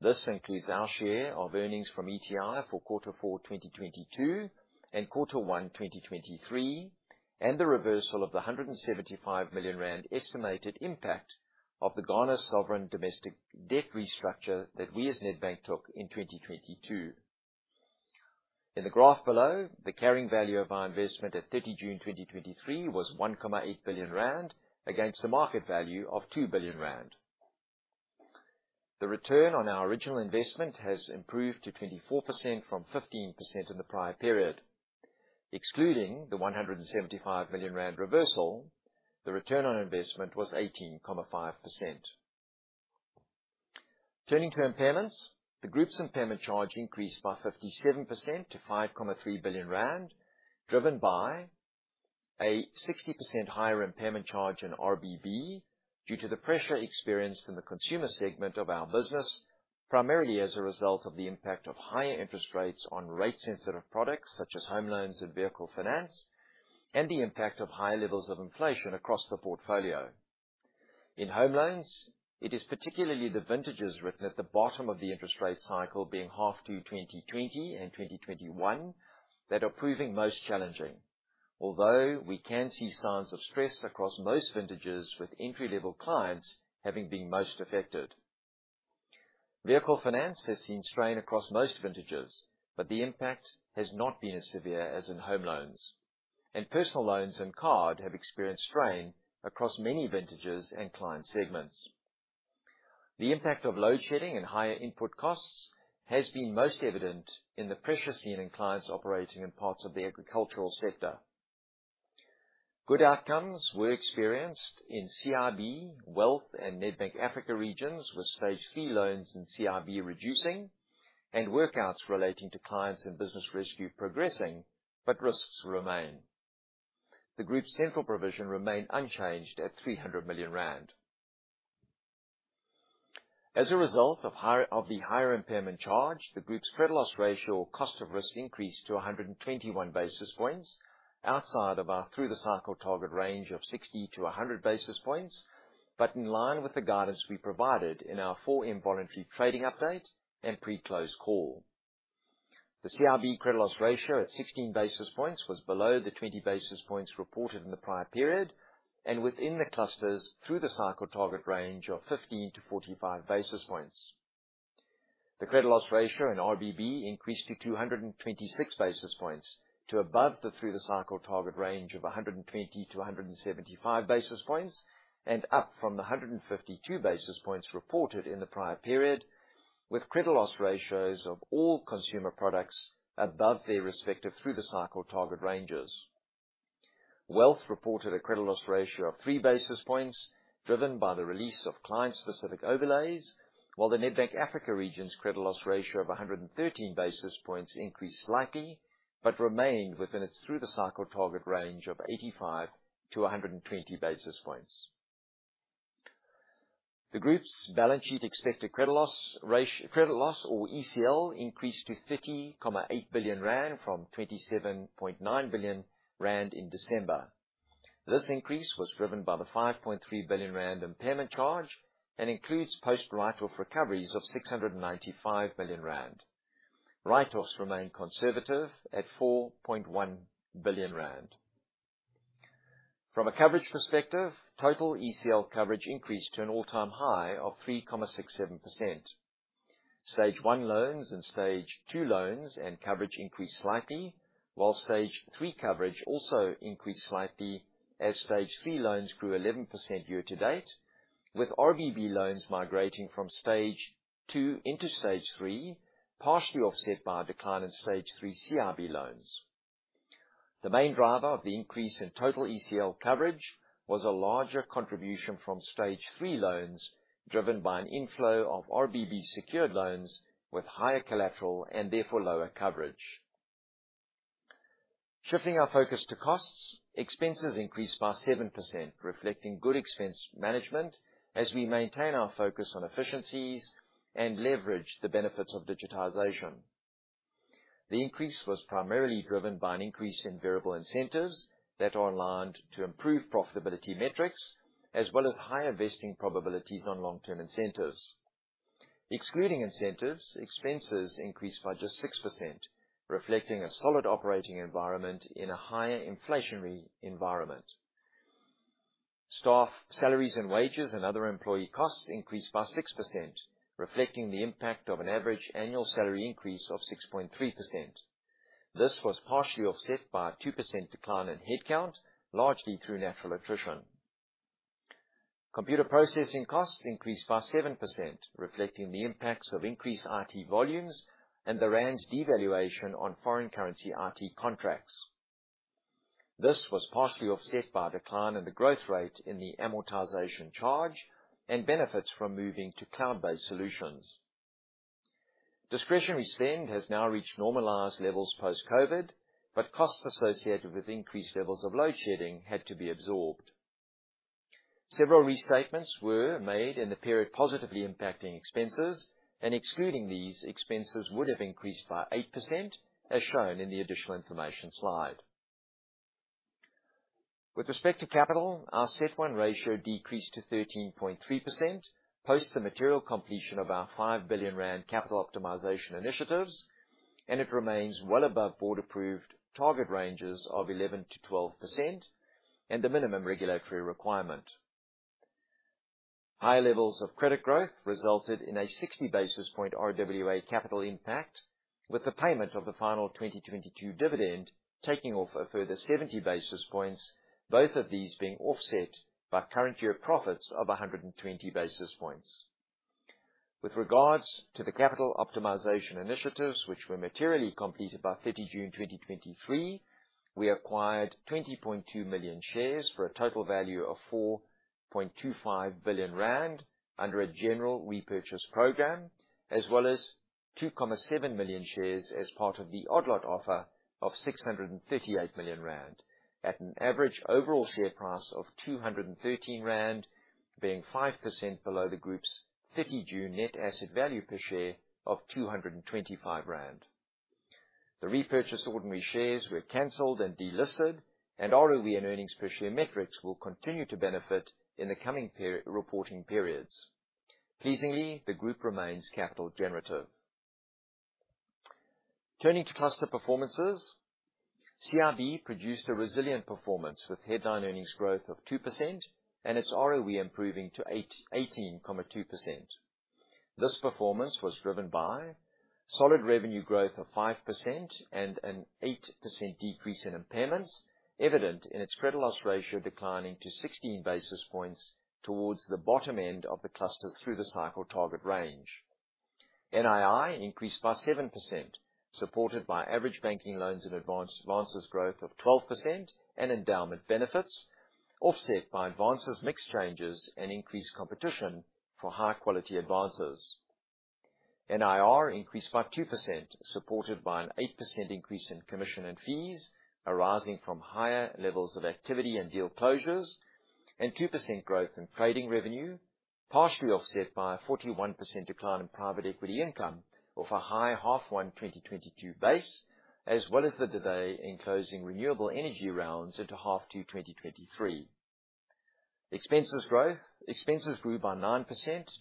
This includes our share of earnings from ETI for Q4, 2022 and Q1, 2023, and the reversal of the 175 million rand estimated impact of the Ghana Sovereign domestic debt restructure that we as Nedbank took in 2022. In the graph below, the carrying value of our investment at June 30, 2023 was 1.8 billion rand, against the market value of 2 billion rand. The return on our original investment has improved to 24% from 15% in the prior period. Excluding the 175 million rand reversal, the return on investment was 18.5%. Turning to impairments, the group's impairment charge increased by 57% to 5.3 billion rand, driven by a 60% higher impairment charge in RBB, due to the pressure experienced in the consumer segment of our business, primarily as a result of the impact of higher interest rates on rate-sensitive products such as home loans and vehicle finance, and the impact of higher levels of inflation across the portfolio. In home loans, it is particularly the vintages written at the bottom of the interest rate cycle, being half to 2020 and 2021, that are proving most challenging. Although, we can see signs of stress across most vintages, with entry-level clients having been most affected. Vehicle finance has seen strain across most vintages, but the impact has not been as severe as in home loans. Personal loans and card have experienced strain across many vintages and client segments. The impact of load shedding and higher input costs has been most evident in the pressure seen in clients operating in parts of the agricultural sector. Good outcomes were experienced in CIB, Wealth, and Nedbank Africa Regions, with stage fee loans in CIB reducing and workouts relating to clients and business rescue progressing, but risks remain. The group's central provision remained unchanged at 300 million rand. As a result of the higher impairment charge, the group's credit loss ratio cost of risk increased to 121 basis points, outside of our through-the-cycle target range of 60-100 basis points, but in line with the guidance we provided in our full involuntary trading update and pre-close call. The CIB credit loss ratio, at 16 basis points, was below the 20 basis points reported in the prior period, and within the clusters through the cycle target range of 15-45 basis points. The credit loss ratio in RBB increased to 226 basis points, to above the through-the-cycle target range of 120-175 basis points, and up from the 152 basis points reported in the prior period, with credit loss ratios of all consumer products above their respective through-the-cycle target ranges. Wealth reported a credit loss ratio of 3 basis points, driven by the release of client-specific overlays. The Nedbank Africa Regions' credit loss ratio of 113 basis points increased slightly, but remained within its through-the-cycle target range of 85-120 basis points. The Group's balance sheet expected credit loss ratio, credit loss or ECL, increased to 30.8 billion rand from 27.9 billion rand in December. This increase was driven by the 5.3 billion rand impairment charge and includes post-write-off recoveries of 695 million rand. Write-offs remain conservative at 4.1 billion rand. From a coverage perspective, total ECL coverage increased to an all-time high of 3.67%. Stage one loans and stage two loans and coverage increased slightly, while stage three coverage also increased slightly, as stage three loans grew 11% year to date, with RBB loans migrating from stage two into stage three, partially offset by a decline in stage three CIB loans. The main driver of the increase in total ECL coverage was a larger contribution from stage three loans, driven by an inflow of RBB secured loans with higher collateral and therefore lower coverage. Shifting our focus to costs, expenses increased by 7%, reflecting good expense management as we maintain our focus on efficiencies and leverage the benefits of digitization. The increase was primarily driven by an increase in variable incentives that are aligned to improve profitability metrics, as well as higher vesting probabilities on long-term incentives. Excluding incentives, expenses increased by just 6%, reflecting a solid operating environment in a higher inflationary environment. Staff, salaries and wages, and other employee costs increased by 6%, reflecting the impact of an average annual salary increase of 6.3%. This was partially offset by a 2% decline in headcount, largely through natural attrition. Computer processing costs increased by 7%, reflecting the impacts of increased IT volumes and the rand's devaluation on foreign currency IT contracts. This was partially offset by a decline in the growth rate in the amortization charge and benefits from moving to cloud-based solutions. Discretionary spend has now reached normalized levels post-COVID, but costs associated with increased levels of load shedding had to be absorbed. Several restatements were made in the period positively impacting expenses, and excluding these, expenses would have increased by 8%, as shown in the Additional Info slide. With respect to capital, our CET1 ratio decreased to 13.3% post the material completion of our 5 billion rand capital optimisation initiatives, and it remains well above board-approved target ranges of 11%-12% and the minimum regulatory requirement. High levels of credit growth resulted in a 60 basis point RWA capital impact, with the payment of the final 2022 dividend taking off a further 70 basis points, both of these being offset by current year profits of 120 basis points. With regards to the capital optimisation initiative, which were materially completed by 30 June 2023, we acquired 20.2 million shares for a total value of 4.25 billion rand under a general repurchase program, as well as 2.7 million shares as part of the odd-lot offer of 638 million rand at an average overall share price of 213 rand, being 5% below the group's 30 June net asset value per share of 225 rand. The repurchased ordinary shares were canceled and delisted, ROE and Earnings per share metrics will continue to benefit in the coming reporting periods. Pleasingly, the group remains capital generative. Turning to cluster performances, CIB produced a resilient performance with headline earnings growth of 2% and its ROE improving to 18.2%. This performance was driven by solid revenue growth of 5% and an 8% decrease in impairments, evident in its credit loss ratio declining to 16 basis points towards the bottom end of the cluster's through-the-cycle target range. NII increased by 7%, supported by average banking loans and advances growth of 12% and endowment benefits, offset by advances mix changes and increased competition for high-quality advances. NIR increased by 2%, supported by an 8% increase in commission and fees arising from higher levels of activity and deal closures, and 2% growth in trading revenue, partially offset by a 41% decline in private equity income of a high H1 2022 base, as well as the delay in closing renewable energy rounds into H2 2023. Expenses growth, expenses grew by 9%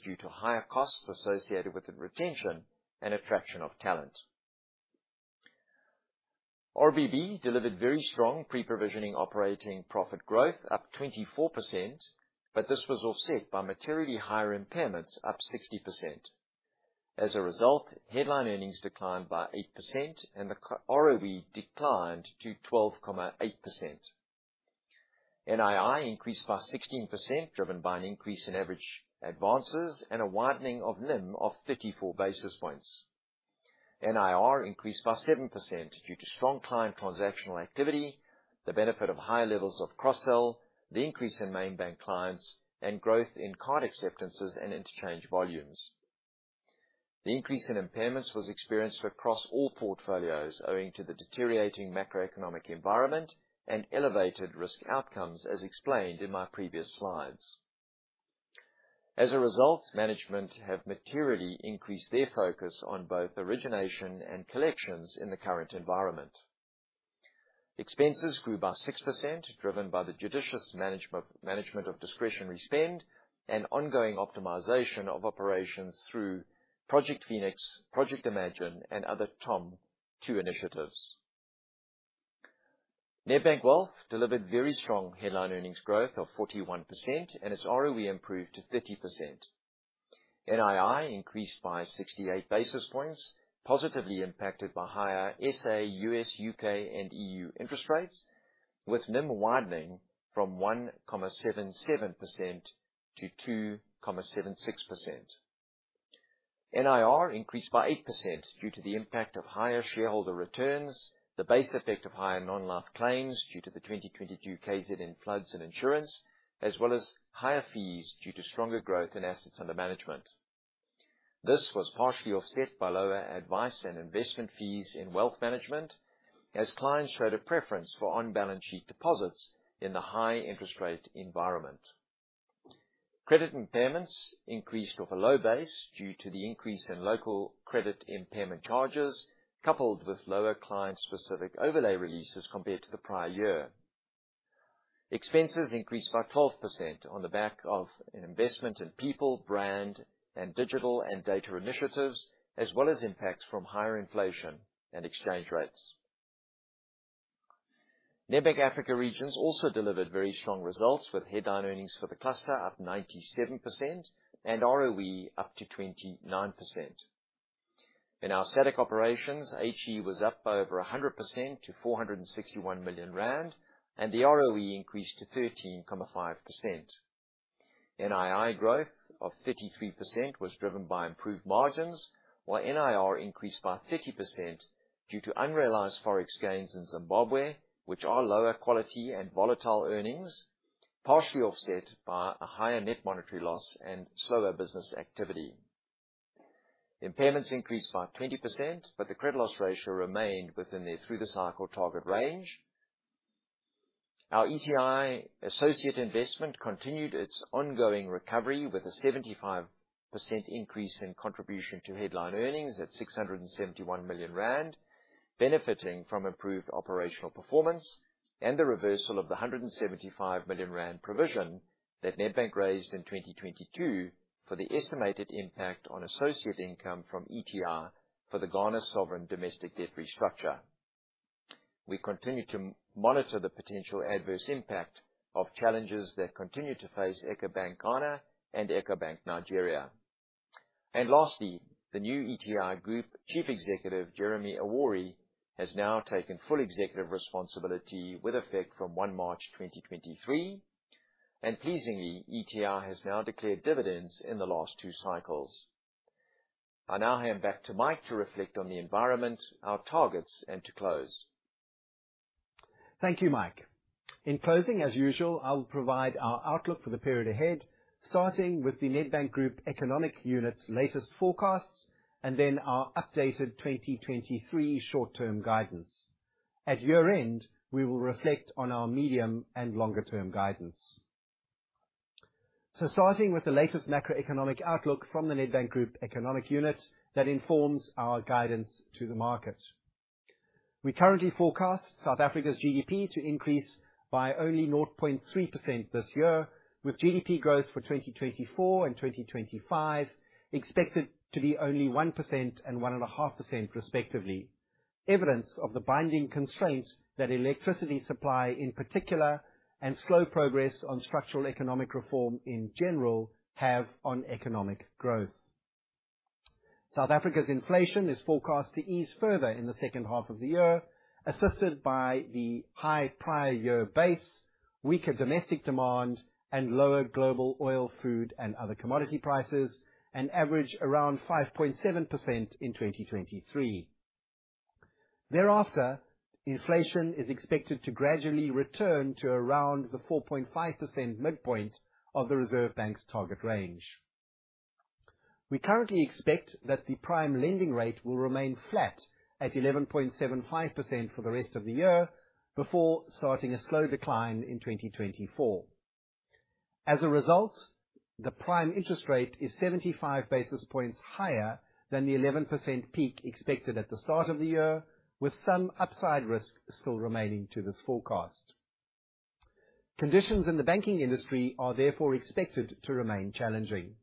due to higher costs associated with the retention and attraction of talent. RBB delivered very strong pre-provisioning operating profit growth, up 24%, but this was offset by materially higher impairments, up 60%. As a result, headline earnings declined by 8% and ROE declined to 12.8%. NII increased by 16%, driven by an increase in average advances and a widening of NIM of 34 basis points. NIR increased by 7% due to strong client transactional activity, the benefit of higher levels of cross-sell, the increase in main bank clients, and growth in card acceptances and interchange volumes. The increase in impairments was experienced across all portfolios owing to the deteriorating macroeconomic environment and elevated risk outcomes, as explained in my previous slides. As a result, management have materially increased their focus on both origination and collections in the current environment. Expenses grew by 6%, driven by the judicious management of discretionary spend and ongoing optimization of operations through Project Phoenix, Project Imagine, and other TOM 2.0 initiatives. Nedbank Wealth delivered very strong headline earnings growth of 41%, and its ROE improved to 30%. NII increased by 68 basis points, positively impacted by higher SA, US, UK, and EU interest rates, with NIM widening from 1.77% to 2.76%. NIR increased by 8% due to the impact of higher shareholder returns, the base effect of higher non-life claims due to the 2022 KZN floods and insurance, as well as higher fees due to stronger growth in assets under management. This was partially offset by lower advice and investment fees in wealth management, as clients showed a preference for on-balance sheet deposits in the high interest rate environment. Credit impairments increased off a low base due to the increase in local credit impairment charges, coupled with lower client-specific overlay releases compared to the prior year. Expenses increased by 12% on the back of an investment in people, brand, and digital and data initiatives, as well as impacts from higher inflation and exchange rates. Nedbank Africa Regions also delivered very strong results, with headline earnings for the cluster up 97% and ROE up to 29%. In our SADC operations, HE was up by over 100% to 461 million rand, and the ROE increased to 13.5%. NII growth of 33% was driven by improved margins, while NIR increased by 30% due to unrealized Forex gains in Zimbabwe, which are lower quality and volatile earnings. Partially offset by a higher net monetary loss and slower business activity. Impairments increased by 20%, but the credit loss ratio remained within the through-the-cycle target range. Our ETI associate investment continued its ongoing recovery with a 75% increase in contribution to headline earnings at 671 million rand, benefiting from improved operational performance and the reversal of the 175 million rand provision that Nedbank raised in 2022 for the estimated impact on associate income from ETI for the Ghana Sovereign domestic debt restructure. We continue to monitor the potential adverse impact of challenges that continue to face Ecobank Ghana and Ecobank Nigeria. Lastly, the new ETI Group Chief Executive, Jeremy Awori, has now taken full executive responsibility with effect from 1 March 2023, and pleasingly, ETI has now declared dividends in the last two cycles. I now hand back to Mike to reflect on the environment, our targets, and to close.
Thank you, Mike. In closing, as usual, I will provide our outlook for the period ahead, starting with the Nedbank Group economic unit's latest forecasts, and then our updated 2023 short-term guidance. At year-end, we will reflect on our medium and longer-term guidance. Starting with the latest macroeconomic outlook from the Nedbank Group economic unit that informs our guidance to the market. We currently forecast South Africa's GDP to increase by only 0.3% this year, with GDP growth for 2024 and 2025 expected to be only 1% and 1.5% respectively, evidence of the binding constraint that electricity supply, in particular, and slow progress on structural economic reform in general, have on economic growth. South Africa's inflation is forecast to ease further in the second half of the year, assisted by the high prior year base, weaker domestic demand, and lower global oil, food, and other commodity prices, and average around 5.7% in 2023. Thereafter, inflation is expected to gradually return to around the 4.5% midpoint of the Reserve Bank's target range. We currently expect that the prime lending rate will remain flat, at 11.75% for the rest of the year, before starting a slow decline in 2024. As a result, the prime interest rate is 75 basis points higher than the 11% peak expected at the start of the year, with some upside risk still remaining to this forecast. Conditions in the banking industry are therefore expected to remain challenging.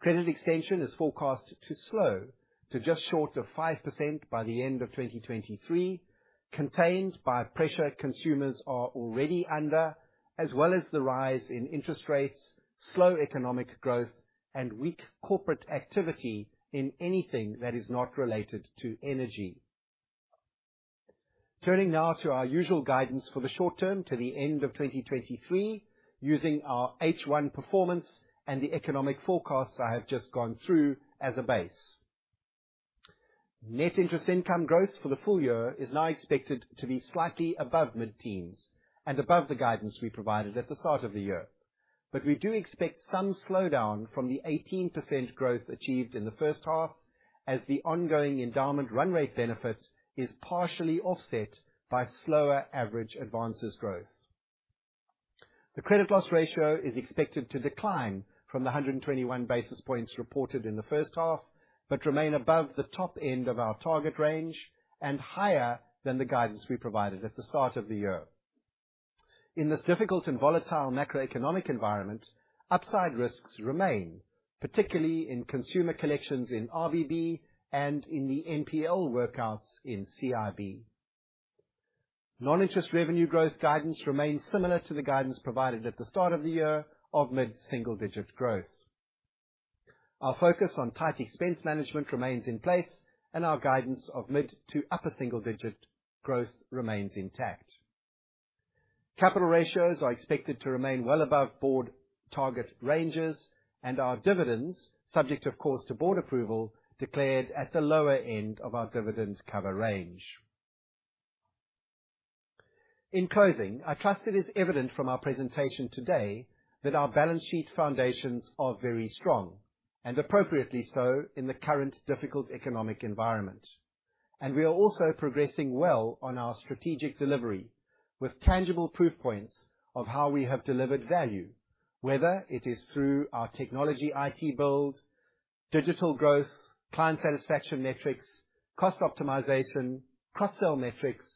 Credit extension is forecast to slow to just short of 5% by the end of 2023, contained by pressure consumers are already under, as well as the rise in interest rates, slow economic growth, and weak corporate activity in anything that is not related to energy. Turning now to our usual guidance for the short term, to the end of 2023, using our H1 performance and the economic forecasts I have just gone through as a base. Net interest income growth for the full year is now expected to be slightly above mid-teens and above the guidance we provided at the start of the year. We do expect some slowdown from the 18% growth achieved in the first half, as the ongoing endowment run rate benefit is partially offset by slower average advances growth. The credit loss ratio is expected to decline from the 121 basis points reported in the first half, but remain above the top end of our target range and higher than the guidance we provided at the start of the year. In this difficult and volatile macroeconomic environment, upside risks remain, particularly in consumer collections in RBB and in the NPL workouts in CIB. Non-interest revenue growth guidance remains similar to the guidance provided at the start of the year of mid-single digit growth. Our focus on tight expense management remains in place, and our guidance of mid to upper single digit growth remains intact. Capital ratios are expected to remain well above board target ranges, and our dividends, subject of course to board approval, declared at the lower end of our dividend cover range. In closing, I trust it is evident from our presentation today that our balance sheet foundations are very strong, and appropriately so, in the current difficult economic environment. We are also progressing well on our strategic delivery, with tangible proof points of how we have delivered value, whether it is through our technology IT build, digital growth, client satisfaction metrics, cost optimization, cross-sell metrics,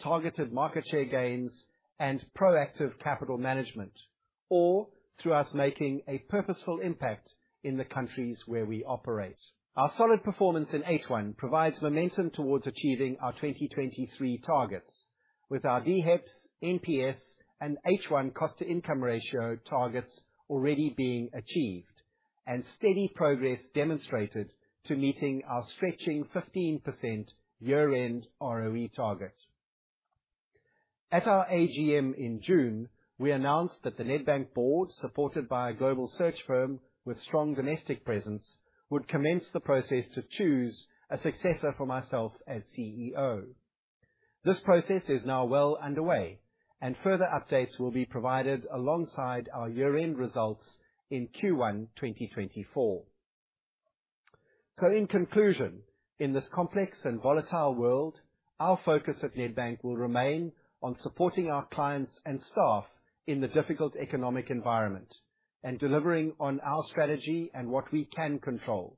targeted market share gains, and proactive capital management, or through us making a purposeful impact in the countries where we operate. Our solid performance in H1 provides momentum towards achieving our 2023 targets, with our DHET, NPS, and H1 cost-to-income ratio targets already being achieved, and steady progress demonstrated to meeting our stretching 15% year-end ROE target. At our AGM in June, we announced that the Nedbank board, supported by a global search firm with strong domestic presence, would commence the process to choose a successor for myself as CEO. This process is now well underway, and further updates will be provided alongside our year-end results in Q1 2024. In conclusion, in this complex and volatile world, our focus at Nedbank will remain on supporting our clients and staff in the difficult economic environment and delivering on our strategy and what we can control.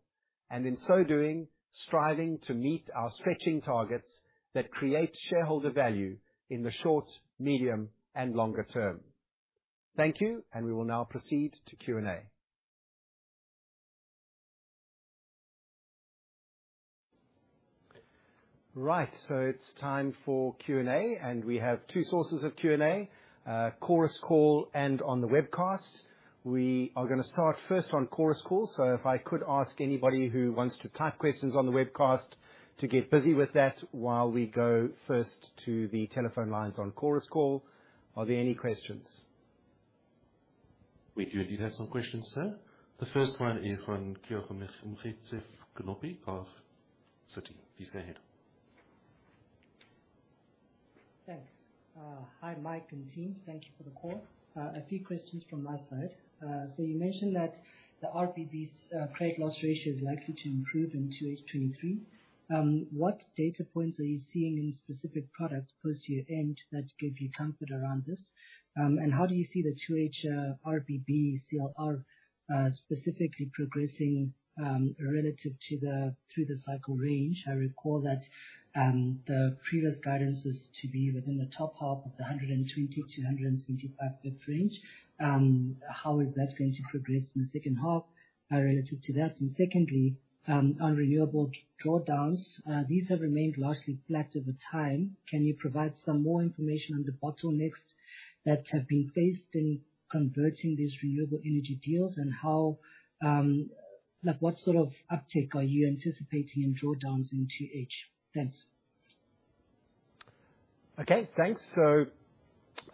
In so doing, striving to meet our stretching targets that create shareholder value in the short, medium, and longer term. Thank you, and we will now proceed to Q&A. Right, it's time for Q&A, Chorus Call and on the webcast. We are gonna start first on Chorus Call, so if I could ask anybody who wants to type questions on the webcast to get busy with that while we go first to the telephone lines on Chorus Call. Are there any questions?
We do indeed have some questions, sir. The first one is from Kia Knoop of Citi. Please go ahead.
Thanks. Hi, Mike Davis and team. Thank you for the call. A few questions from my side. So you mentioned that the RBB's credit loss ratio is likely to improve in H2 2023. What data points are you seeing in specific products close to year-end that give you comfort around this? And how do you see the H2 RBB CLR specifically progressing relative to the through the cycle range? I recall that the previous guidance was to be within the top half of the 120-175 pip range. How is that going to progress in the H2 relative to that? Secondly, on renewable drawdowns, these have remained largely flat over time. Can you provide some more information on the bottlenecks that have been faced in converting these renewable energy deals, and how, like, what sort of uptake are you anticipating in drawdowns in 2 H? Thanks.
Okay, thanks.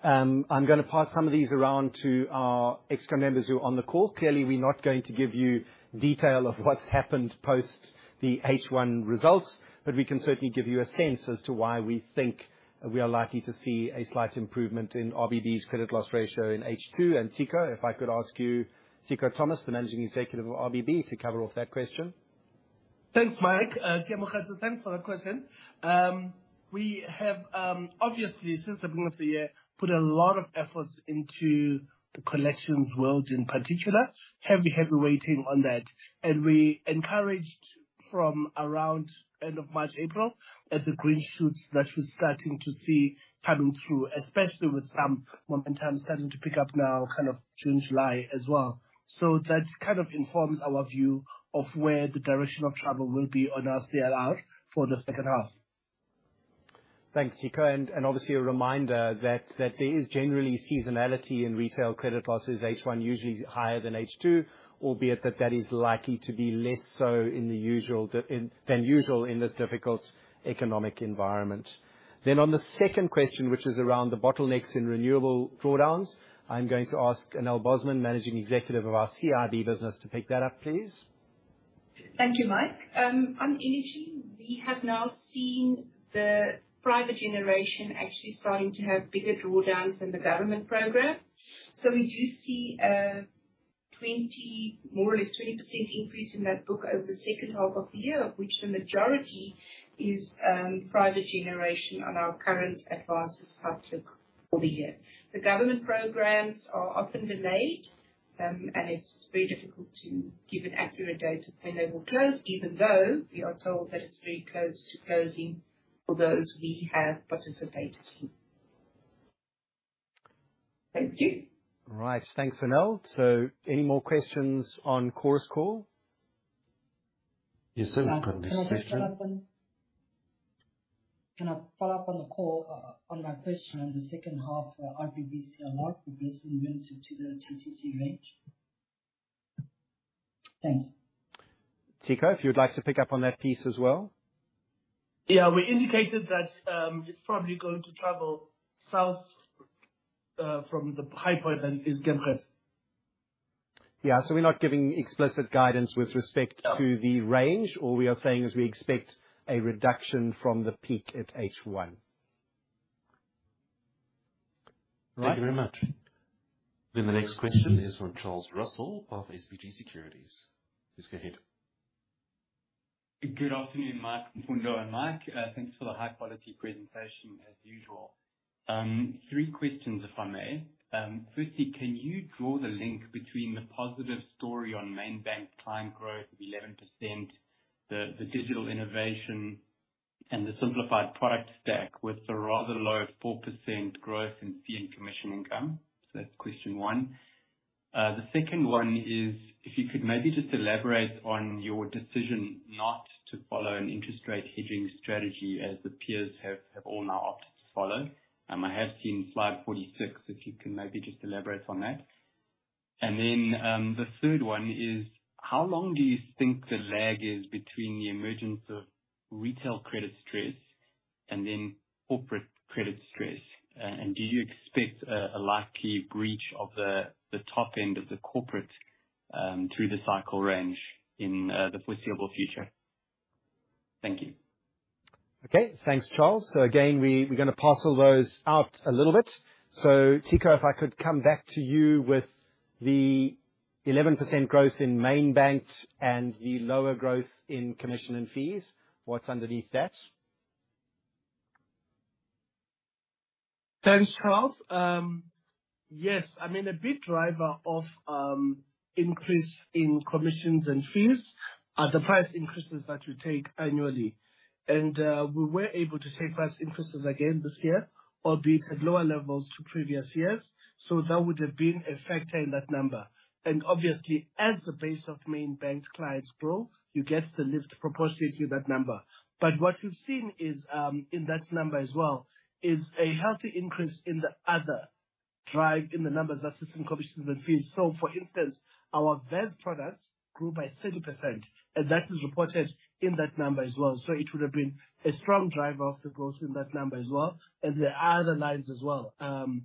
I'm gonna pass some of these around to our ex-com members who are on the call. Clearly, we're not going to give you detail of what's happened post the H1 results, but we can certainly give you a sense as to why we think we are likely to see a slight improvement in RBB's credit loss ratio in H2. Tiko, if I could ask you, Tiko Thomas, the managing executive of RBB, to cover off that question.
Thanks, Mike. Kia, thanks for the question. We have, obviously, since the beginning of the year, put a lot of efforts into the collections world in particular. Heavy, heavy weighting on that. We encouraged from around end of March, April, at the green shoots that we're starting to see coming through, especially with some momentum starting to pick up now, kind of June, July as well. That kind of informs our view of where the direction of travel will be on our CLR for the second half.
Thanks, Tiko. Obviously a reminder that there is generally seasonality in retail credit losses. H1 usually is higher than H2, albeit that that is likely to be less so than usual in this difficult economic environment. On the second question, which is around the bottlenecks in renewable drawdowns, I'm going to ask Anél Bosman, managing executive of our CIB business, to pick that up, please.
Thank you, Mike. On energy, we have now seen the private generation actually starting to have bigger drawdowns than the government program. We do see 20%, more or less 20% increase in that book over the second half of the year, which the majority is private generation on our current advances outlook for the year. The government programs are often delayed, and it's very difficult to give an accurate date of when they will close, even though we are told that it's very close to closing for those we have participated in. Thank you.
Right. Thanks, Anél. Any more questions on Chorus Call?
Yes, sir.
Can I follow up on the call, on my question on the second half, RBB CLR progress relative to the TTC range? Thanks.
Tiko, if you'd like to pick up on that piece as well.
Yeah. We indicated that, it's probably going to travel south, from the high point than is given first.
Yeah. We're not giving explicit guidance with respect-
No.
-to the range, all we are saying is we expect a reduction from the peak at H1. Right.
Thank you very much. The next question is from Charles Russell of SBG Securities. Please go ahead.
Good afternoon, Mike, Mfundo. Mike, thanks for the high-quality presentation as usual. 3 questions, if I may. Firstly, can you draw the link between the positive story on main bank client growth of 11%, the digital innovation and the simplified product stack with the rather low 4% growth in fee and commission income? That's question 1. The second is, if you could maybe just elaborate on your decision not to follow an interest rate hedging strategy, as the peers have all now opted to follow. I have seen slide 46, if you can maybe just elaborate on that. Then the third is: How long do you think the lag is between the emergence of retail credit stress and then corporate credit stress? Do you expect a, a likely breach of the, the top end of the corporate CL-.... through the cycle range in the foreseeable future. Thank you.
Okay, thanks, Charles. Again, we, we're gonna parcel those out a little bit. Tiko, if I could come back to you with the 11% growth in main bank and the lower growth in commission and fees, what's underneath that?
Thanks, Charles. Yes, I mean, a big driver of increase in commissions and fees are the price increases that we take annually. We were able to take price increases again this year, albeit at lower levels to previous years, so that would have been a factor in that number. What we've seen is, in that number as well, is a healthy increase in the other drive in the numbers that's in commissions and fees. For instance, our VEST products grew by 30%, and that is reported in that number as well. It would've been a strong driver of the growth in that number as well. There are other lines as well. On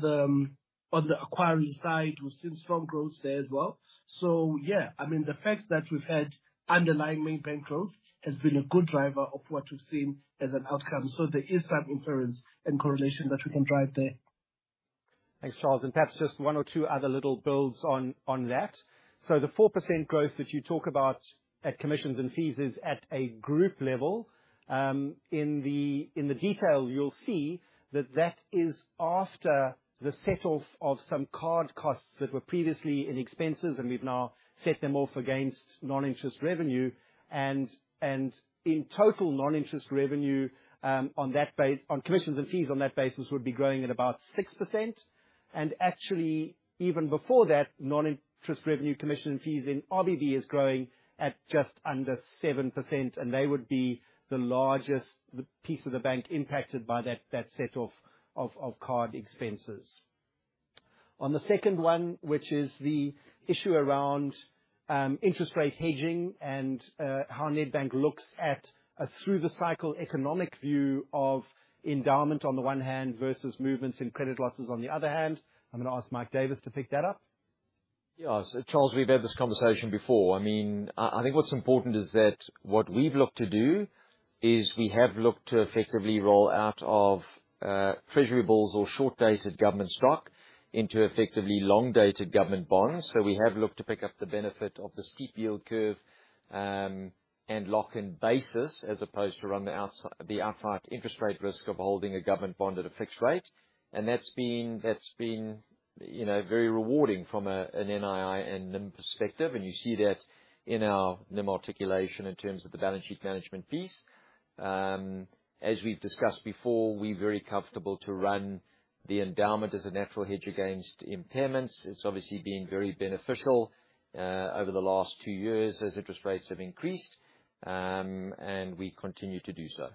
the, on the acquiring side, we've seen strong growth there as well. Yeah, I mean, the fact that we've had underlying main bank growth has been a good driver of what we've seen as an outcome. There is that inference and correlation that we can drive there.
Thanks, Charles, and perhaps just 1 or 2 other little builds on, on that. The 4% growth that you talk about at commissions and fees is at a group level. In the, in the detail, you'll see that that is after the settle of some card costs that were previously in expenses, and we've now set them off against non-interest revenue. In total, non-interest revenue, on commissions and fees on that basis would be growing at about 6%. Actually, even before that, non-interest revenue commission and fees in RBB is growing at just under 7%, and they would be the largest piece of the bank impacted by that set of card expenses. On the second one, which is the issue around interest rate hedging and how Nedbank looks at a through the cycle economic view of endowment on the one hand versus movements in credit losses on the other hand, I'm gonna ask Mike Davis to pick that up.
Yes. Charles, we've had this conversation before. I mean, I, I think what's important is that what we've looked to do is we have looked to effectively roll out of treasurables or short-dated government stock into effectively long-dated government bonds. We have looked to pick up the benefit of the steep yield curve, and lock in basis, as opposed to run the outsi- the outfight interest rate risk of holding a government bond at a fixed rate. That's been, that's been, you know, very rewarding from a, an NII and NIM perspective. You see that in our NIM articulation in terms of the balance sheet management piece. As we've discussed before, we're very comfortable to run the endowment as a natural hedge against impairments. It's obviously been very beneficial, over the last 2 years as interest rates have increased, and we continue to do so.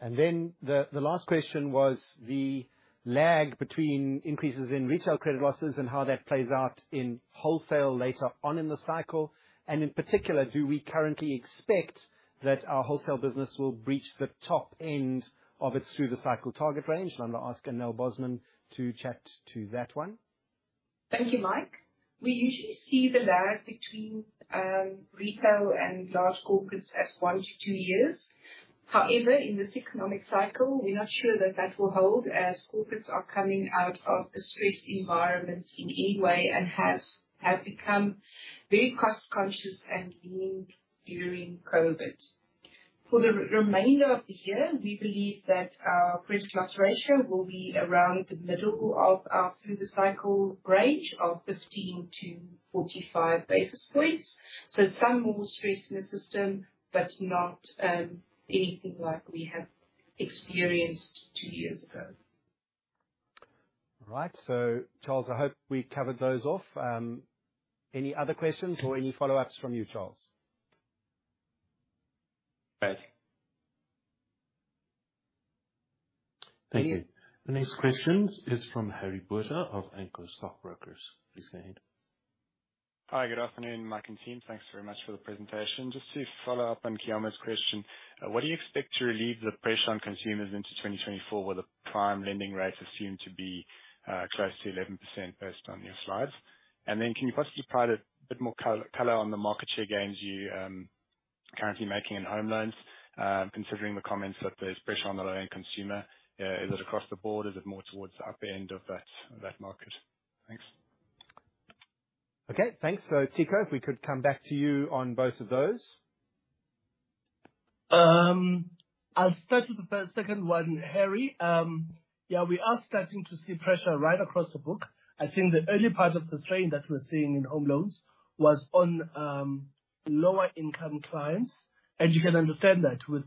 Then the last question was the lag between increases in retail credit losses and how that plays out in wholesale later on in the cycle. In particular, do we currently expect that our wholesale business will reach the top end of its through the cycle target range? I'm gonna ask Anél Bosman to chat to that one.
Thank you, Mike. We usually see the lag between retail and large corporates as one to two years. However, in this economic cycle, we're not sure that that will hold, as corporates are coming out of a stressed environment in any way, and have, have become very cost conscious and leaned during COVID. For the remainder of the year, we believe that our credit loss ratio will be around the middle of our through the cycle range of 15-45 basis points. Some more stress in the system, but not anything like we have experienced two years ago.
All right. Charles, I hope we covered those off. Any other questions or any follow-ups from you, Charles?
Right.
Thank you. The next question is from Harry Butcher of Anchor Stockbrokers. Please go ahead.
Hi, good afternoon, Mike and team. Thanks very much for the presentation. Just to follow up on Kia's question, what do you expect to relieve the pressure on consumers into 2024, where the prime lending rates are seen to be close to 11%, based on your slides? Can you possibly provide a bit more color on the market share gains you currently making in home loans, considering the comments that there's pressure on the low-end consumer, is it across the board? Is it more towards the upper end of that, that market? Thanks.
Okay, thanks. Tiko, if we could come back to you on both of those.
I'll start with the second one, Harry. Yeah, we are starting to see pressure right across the book. I think the early part of the strain that we're seeing in home loans was on lower income clients. You can understand that with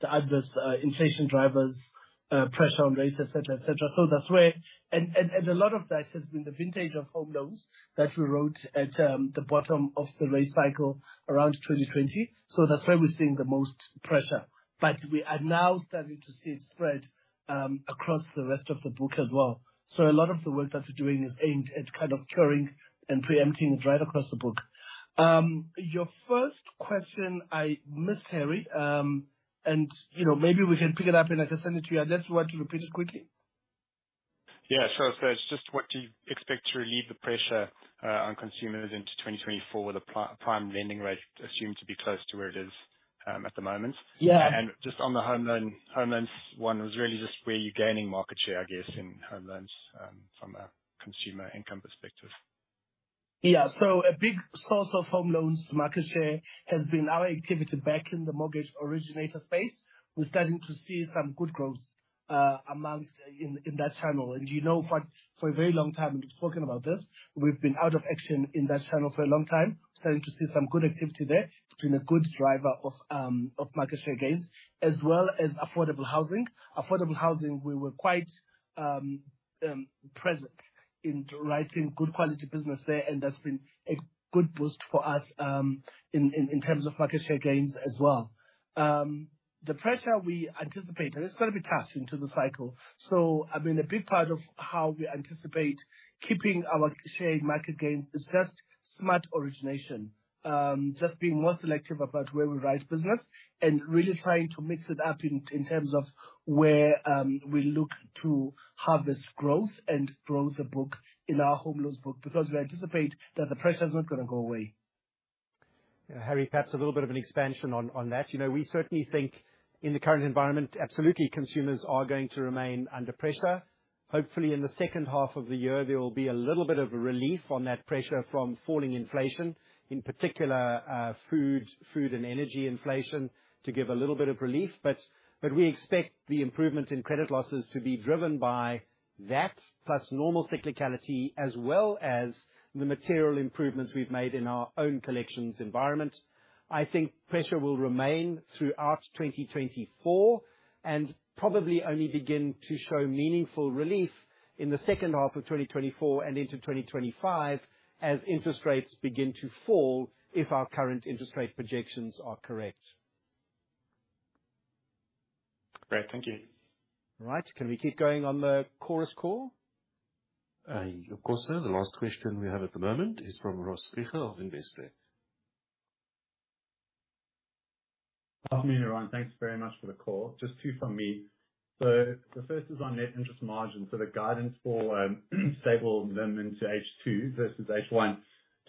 the adverse inflation drivers, pressure on rates, et cetera, et cetera. That's where. A lot of that has been the vintage of home loans that we wrote at the bottom of the rate cycle around 2020. That's where we're seeing the most pressure. We are now starting to see it spread across the rest of the book as well. A lot of the work that we're doing is aimed at kind of curing and preempting it right across the book. Your first question, I missed, Harry, you know, maybe we can pick it up and I can send it to you, unless you want to repeat it quickly?
Yeah, sure. It's just what do you expect to relieve the pressure on consumers into 2024, with the prime lending rate assumed to be close to where it is at the moment?
Yeah.
Just on the home loan, home loans one, was really just where you're gaining market share, I guess, in home loans, from a consumer income perspective.
Yeah. A big source of home loans market share has been our activity back in the mortgage originator space. We're starting to see some good growth, amongst, in that channel. You know, for, for a very long time, and we've spoken about this, we've been out of action in that channel for a long time. Starting to see some good activity there. It's been a good driver of, of market share gains, as well as affordable housing. Affordable housing, we were quite, present in writing good quality business there, and that's been a good boost for us, in, in, in terms of market share gains as well. The pressure we anticipate, and it's gonna be tough into the cycle, I mean, a big part of how we anticipate keeping our shared market gains is just smart origination. just being more selective about where we write business, and really trying to mix it up in, in terms of where we look to harvest growth and grow the book in our home loans book. We anticipate that the pressure's not gonna go away.
Yeah, Harry, perhaps a little bit of an expansion on, on that. You know, we certainly think in the current environment, absolutely, consumers are going to remain under pressure. Hopefully, in the second half of the year, there will be a little bit of a relief on that pressure from falling inflation, in particular, food, food and energy inflation, to give a little bit of relief. But we expect the improvement in credit losses to be driven by that, plus normal cyclicality, as well as the material improvements we've made in our own collections environment. I think pressure will remain throughout 2024, and probably only begin to show meaningful relief in the second half of 2024 and into 2025, as interest rates begin to fall, if our current interest rate projections are correct.
Great. Thank you.
Right. Can we keep going on the Chorus call?
Of course, sir. The last question we have at the moment is from Ross Riechel of Investec.
Good afternoon, everyone. Thanks very much for the call. Just two from me. The first is on net interest margin. The guidance for stable NIM into H2 versus H1.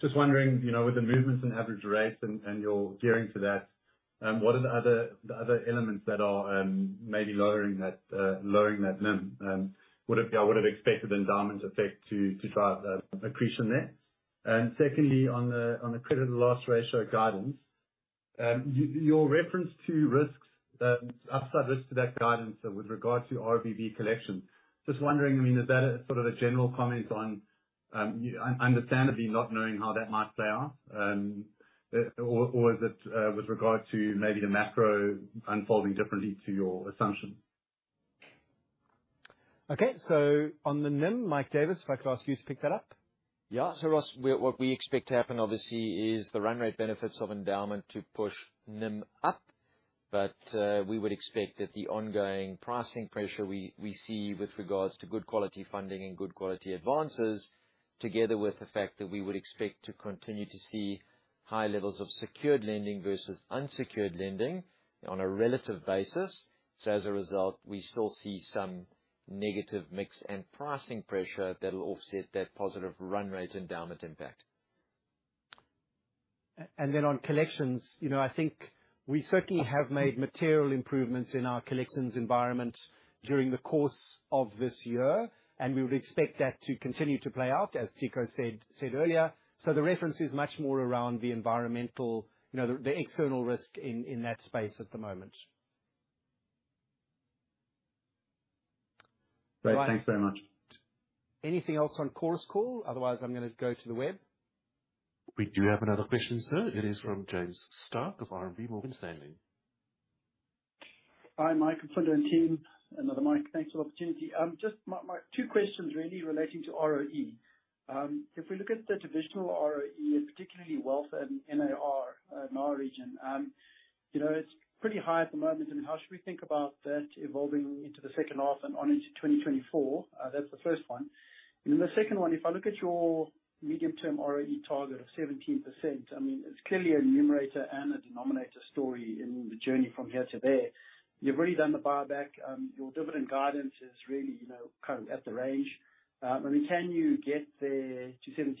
Just wondering, you know, with the movements in average rates and, and your gearing to that, what are the other, the other elements that are maybe lowering that lowering that NIM? Would have, I would've expected endowment effect to drive accretion there. Secondly, on the credit loss ratio guidance, your reference to risks, upside risks to that guidance with regard to RBB collections, just wondering, I mean, is that a, sort of a general comment on understandably not knowing how that might play out? Or, or is it with regard to maybe the macro unfolding differently to your assumption?
Okay. On the NIM, Mike Davis, if I could ask you to pick that up.
Yeah. Ross, what we expect to happen obviously is the run rate benefits of endowment to push NIM up. We would expect that the ongoing pricing pressure we, we see with regards to good quality funding and good quality advances, together with the fact that we would expect to continue to see high levels of secured lending versus unsecured lending on a relative basis. As a result, we still see some negative mix and pricing pressure that will offset that positive run rate endowment impact.
Then on collections, you know, I think we certainly have made material improvements in our collections environment during the course of this year, and we would expect that to continue to play out, as Tiko said earlier. The reference is much more around the environmental, you know, the external risk in that space at the moment.
Great.
Right.
Thanks very much.
Anything else on Chorus Call? Otherwise, I'm gonna go to the web.
We do have another question, sir. It is from James Stark of RMB Morgan Stanley.
Hi, Mike and team. Another Mike. Thanks for the opportunity. Just my, my two questions really relating to ROE. If we look at the divisional ROE, and particularly wealth and NAR, in our region, you know, it's pretty high at the moment, and how should we think about that evolving into the second half and on into 2024? That's the first one. Then the second one, if I look at your medium-term ROE target of 17%, I mean, it's clearly a numerator and a denominator story in the journey from here to there. You've already done the buyback. Your dividend guidance is really, you know, kind of at the range. I mean, can you get there to 17%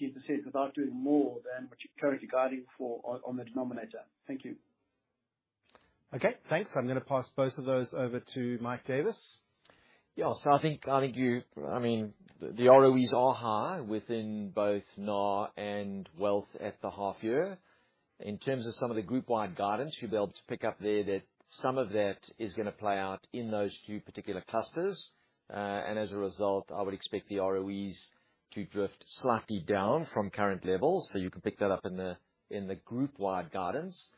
without doing more than what you're currently guiding for on, on the denominator? Thank you.
Okay, thanks. I'm gonna pass both of those over to Mike Davis.
Yeah. I think, I mean, the ROEs are high within both NAR and Wealth at the half year. In terms of some of the group-wide guidance, you'll be able to pick up there that some of that is gonna play out in those two particular clusters. As a result, I would expect the ROEs to drift slightly down from current levels. You can pick that up in the, in the group-wide guidance.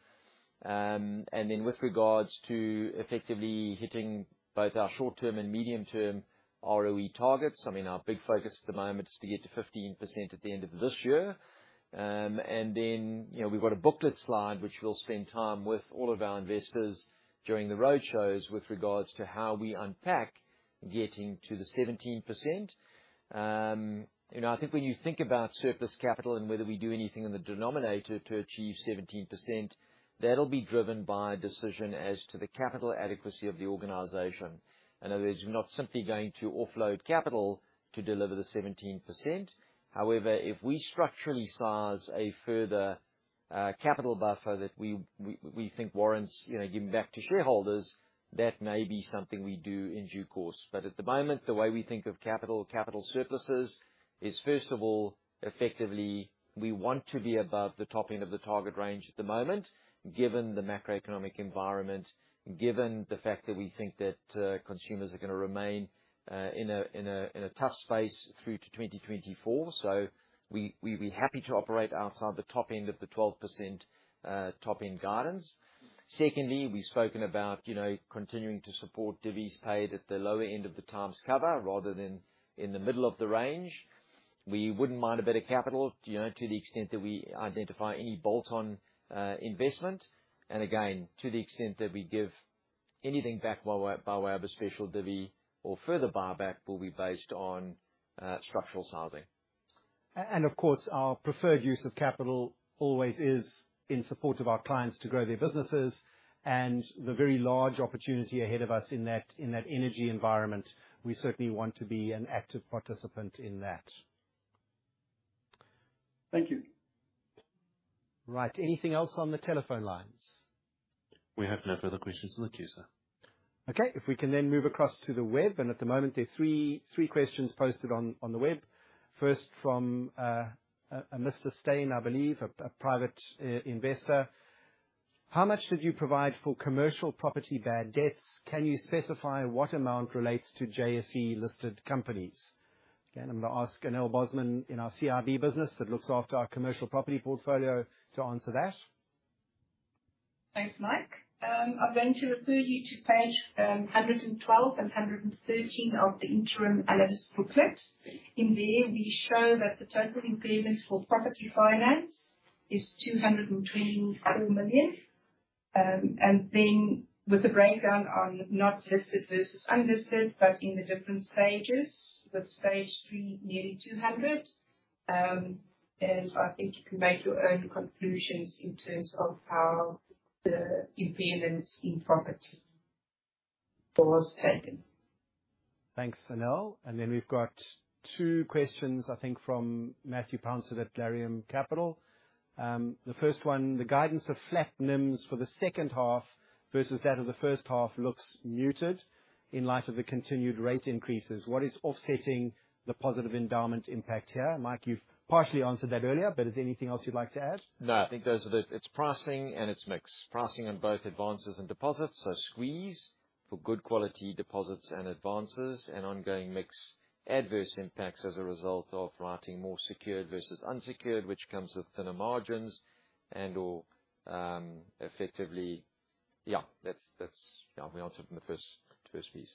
Then with regards to effectively hitting both our short-term and medium-term ROE targets, I mean, our big focus at the moment is to get to 15% at the end of this year. Then, you know, we've got a booklet slide, which we'll spend time with all of our investors during the roadshows with regards to how we unpack getting to the 17%.... You know, I think when you think about surplus capital and whether we do anything in the denominator to achieve 17%, that'll be driven by a decision as to the capital adequacy of the organization. In other words, we're not simply going to offload capital to deliver the 17%. However, if we structurally size a further capital buffer that we, we, we think warrants, you know, giving back to shareholders, that may be something we do in due course. At the moment, the way we think of capital, capital surpluses, is, first of all, effectively, we want to be above the top end of the target range at the moment, given the macroeconomic environment, given the fact that we think that consumers are gonna remain in a, in a, in a tough space through to 2024. We, we'd be happy to operate outside the top end of the 12%, top end guidance. Secondly, we've spoken about, you know, continuing to support divis paid at the lower end of the times cover, rather than in the middle of the range. We wouldn't mind a bit of capital, you know, to the extent that we identify any bolt-on investment. Again, to the extent that we give anything back by way, by way of a special divi or further buyback, will be based on structural sizing.
Of course, our preferred use of capital always is in support of our clients to grow their businesses, and the very large opportunity ahead of us in that, in that energy environment. We certainly want to be an active participant in that.
Thank you.
Right. Anything else on the telephone lines?
We have no further questions on the queue, sir.
Okay. If we can move across to the web, at the moment, there are three questions posted on the web. First, from Mr. Steyn, I believe, a private investor: How much did you provide for commercial property bad debts? Can you specify what amount relates to JSE-listed companies? Again, I'm gonna ask Anél Bosman in our CIB business, that looks after our commercial property portfolio, to answer that.
Thanks, Mike. I'm going to refer you to page 112 and 113 of the interim analyst booklet. In there, we show that the total impairments for property finance is 224 million. Then with the breakdown on not listed versus unlisted, but in the different stages, with stage three, nearly 200 million. I think you can make your own conclusions in terms of how the impairments in property was taken.
Thanks, Anél. Then we've got two questions, I think, from Matthew Pounsett at Laurium Capital. The first one, the guidance of flat NIMS for the second half versus that of the first half looks muted in light of the continued rate increases. What is offsetting the positive endowment impact here? Mike, you've partially answered that earlier, but is there anything else you'd like to add?
No, I think those are the... It's pricing and it's mix. Pricing on both advances and deposits, so squeeze for good quality deposits and advances, and ongoing mix adverse impacts as a result of writing more secured versus unsecured, which comes with thinner margins and/or effectively... we answered in the first, first piece.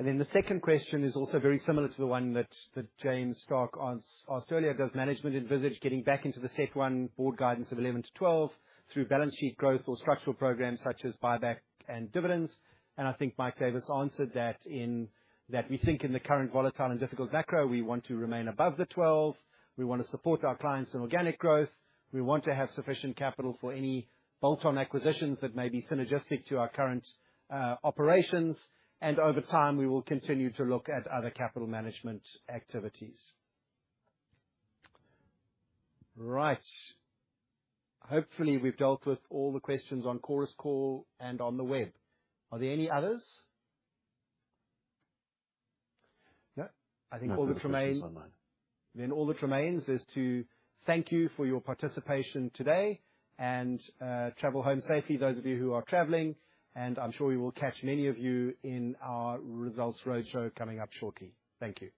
The second question is also very similar to the one that James Stark asked earlier: Does management envisage getting back into the CET1 ratio board guidance of 11%-12% through balance sheet growth or structural programs such as buyback and dividends? I think Mike Davis gave his answer that we think in the current volatile and difficult macro, we want to remain above the 12%. We want to support our clients in organic growth. We want to have sufficient capital for any bolt-on acquisitions that may be synergistic to our current operations. Over time, we will continue to look at other capital management activities. Right. Hopefully, we've dealt with all the questions on Chorus Call and on the web. Are there any others? No? I think all that remains-
No further questions online.
All that remains is to thank you for your participation today, and, travel home safely, those of you who are traveling. I'm sure we will catch many of you in our results roadshow coming up shortly. Thank you.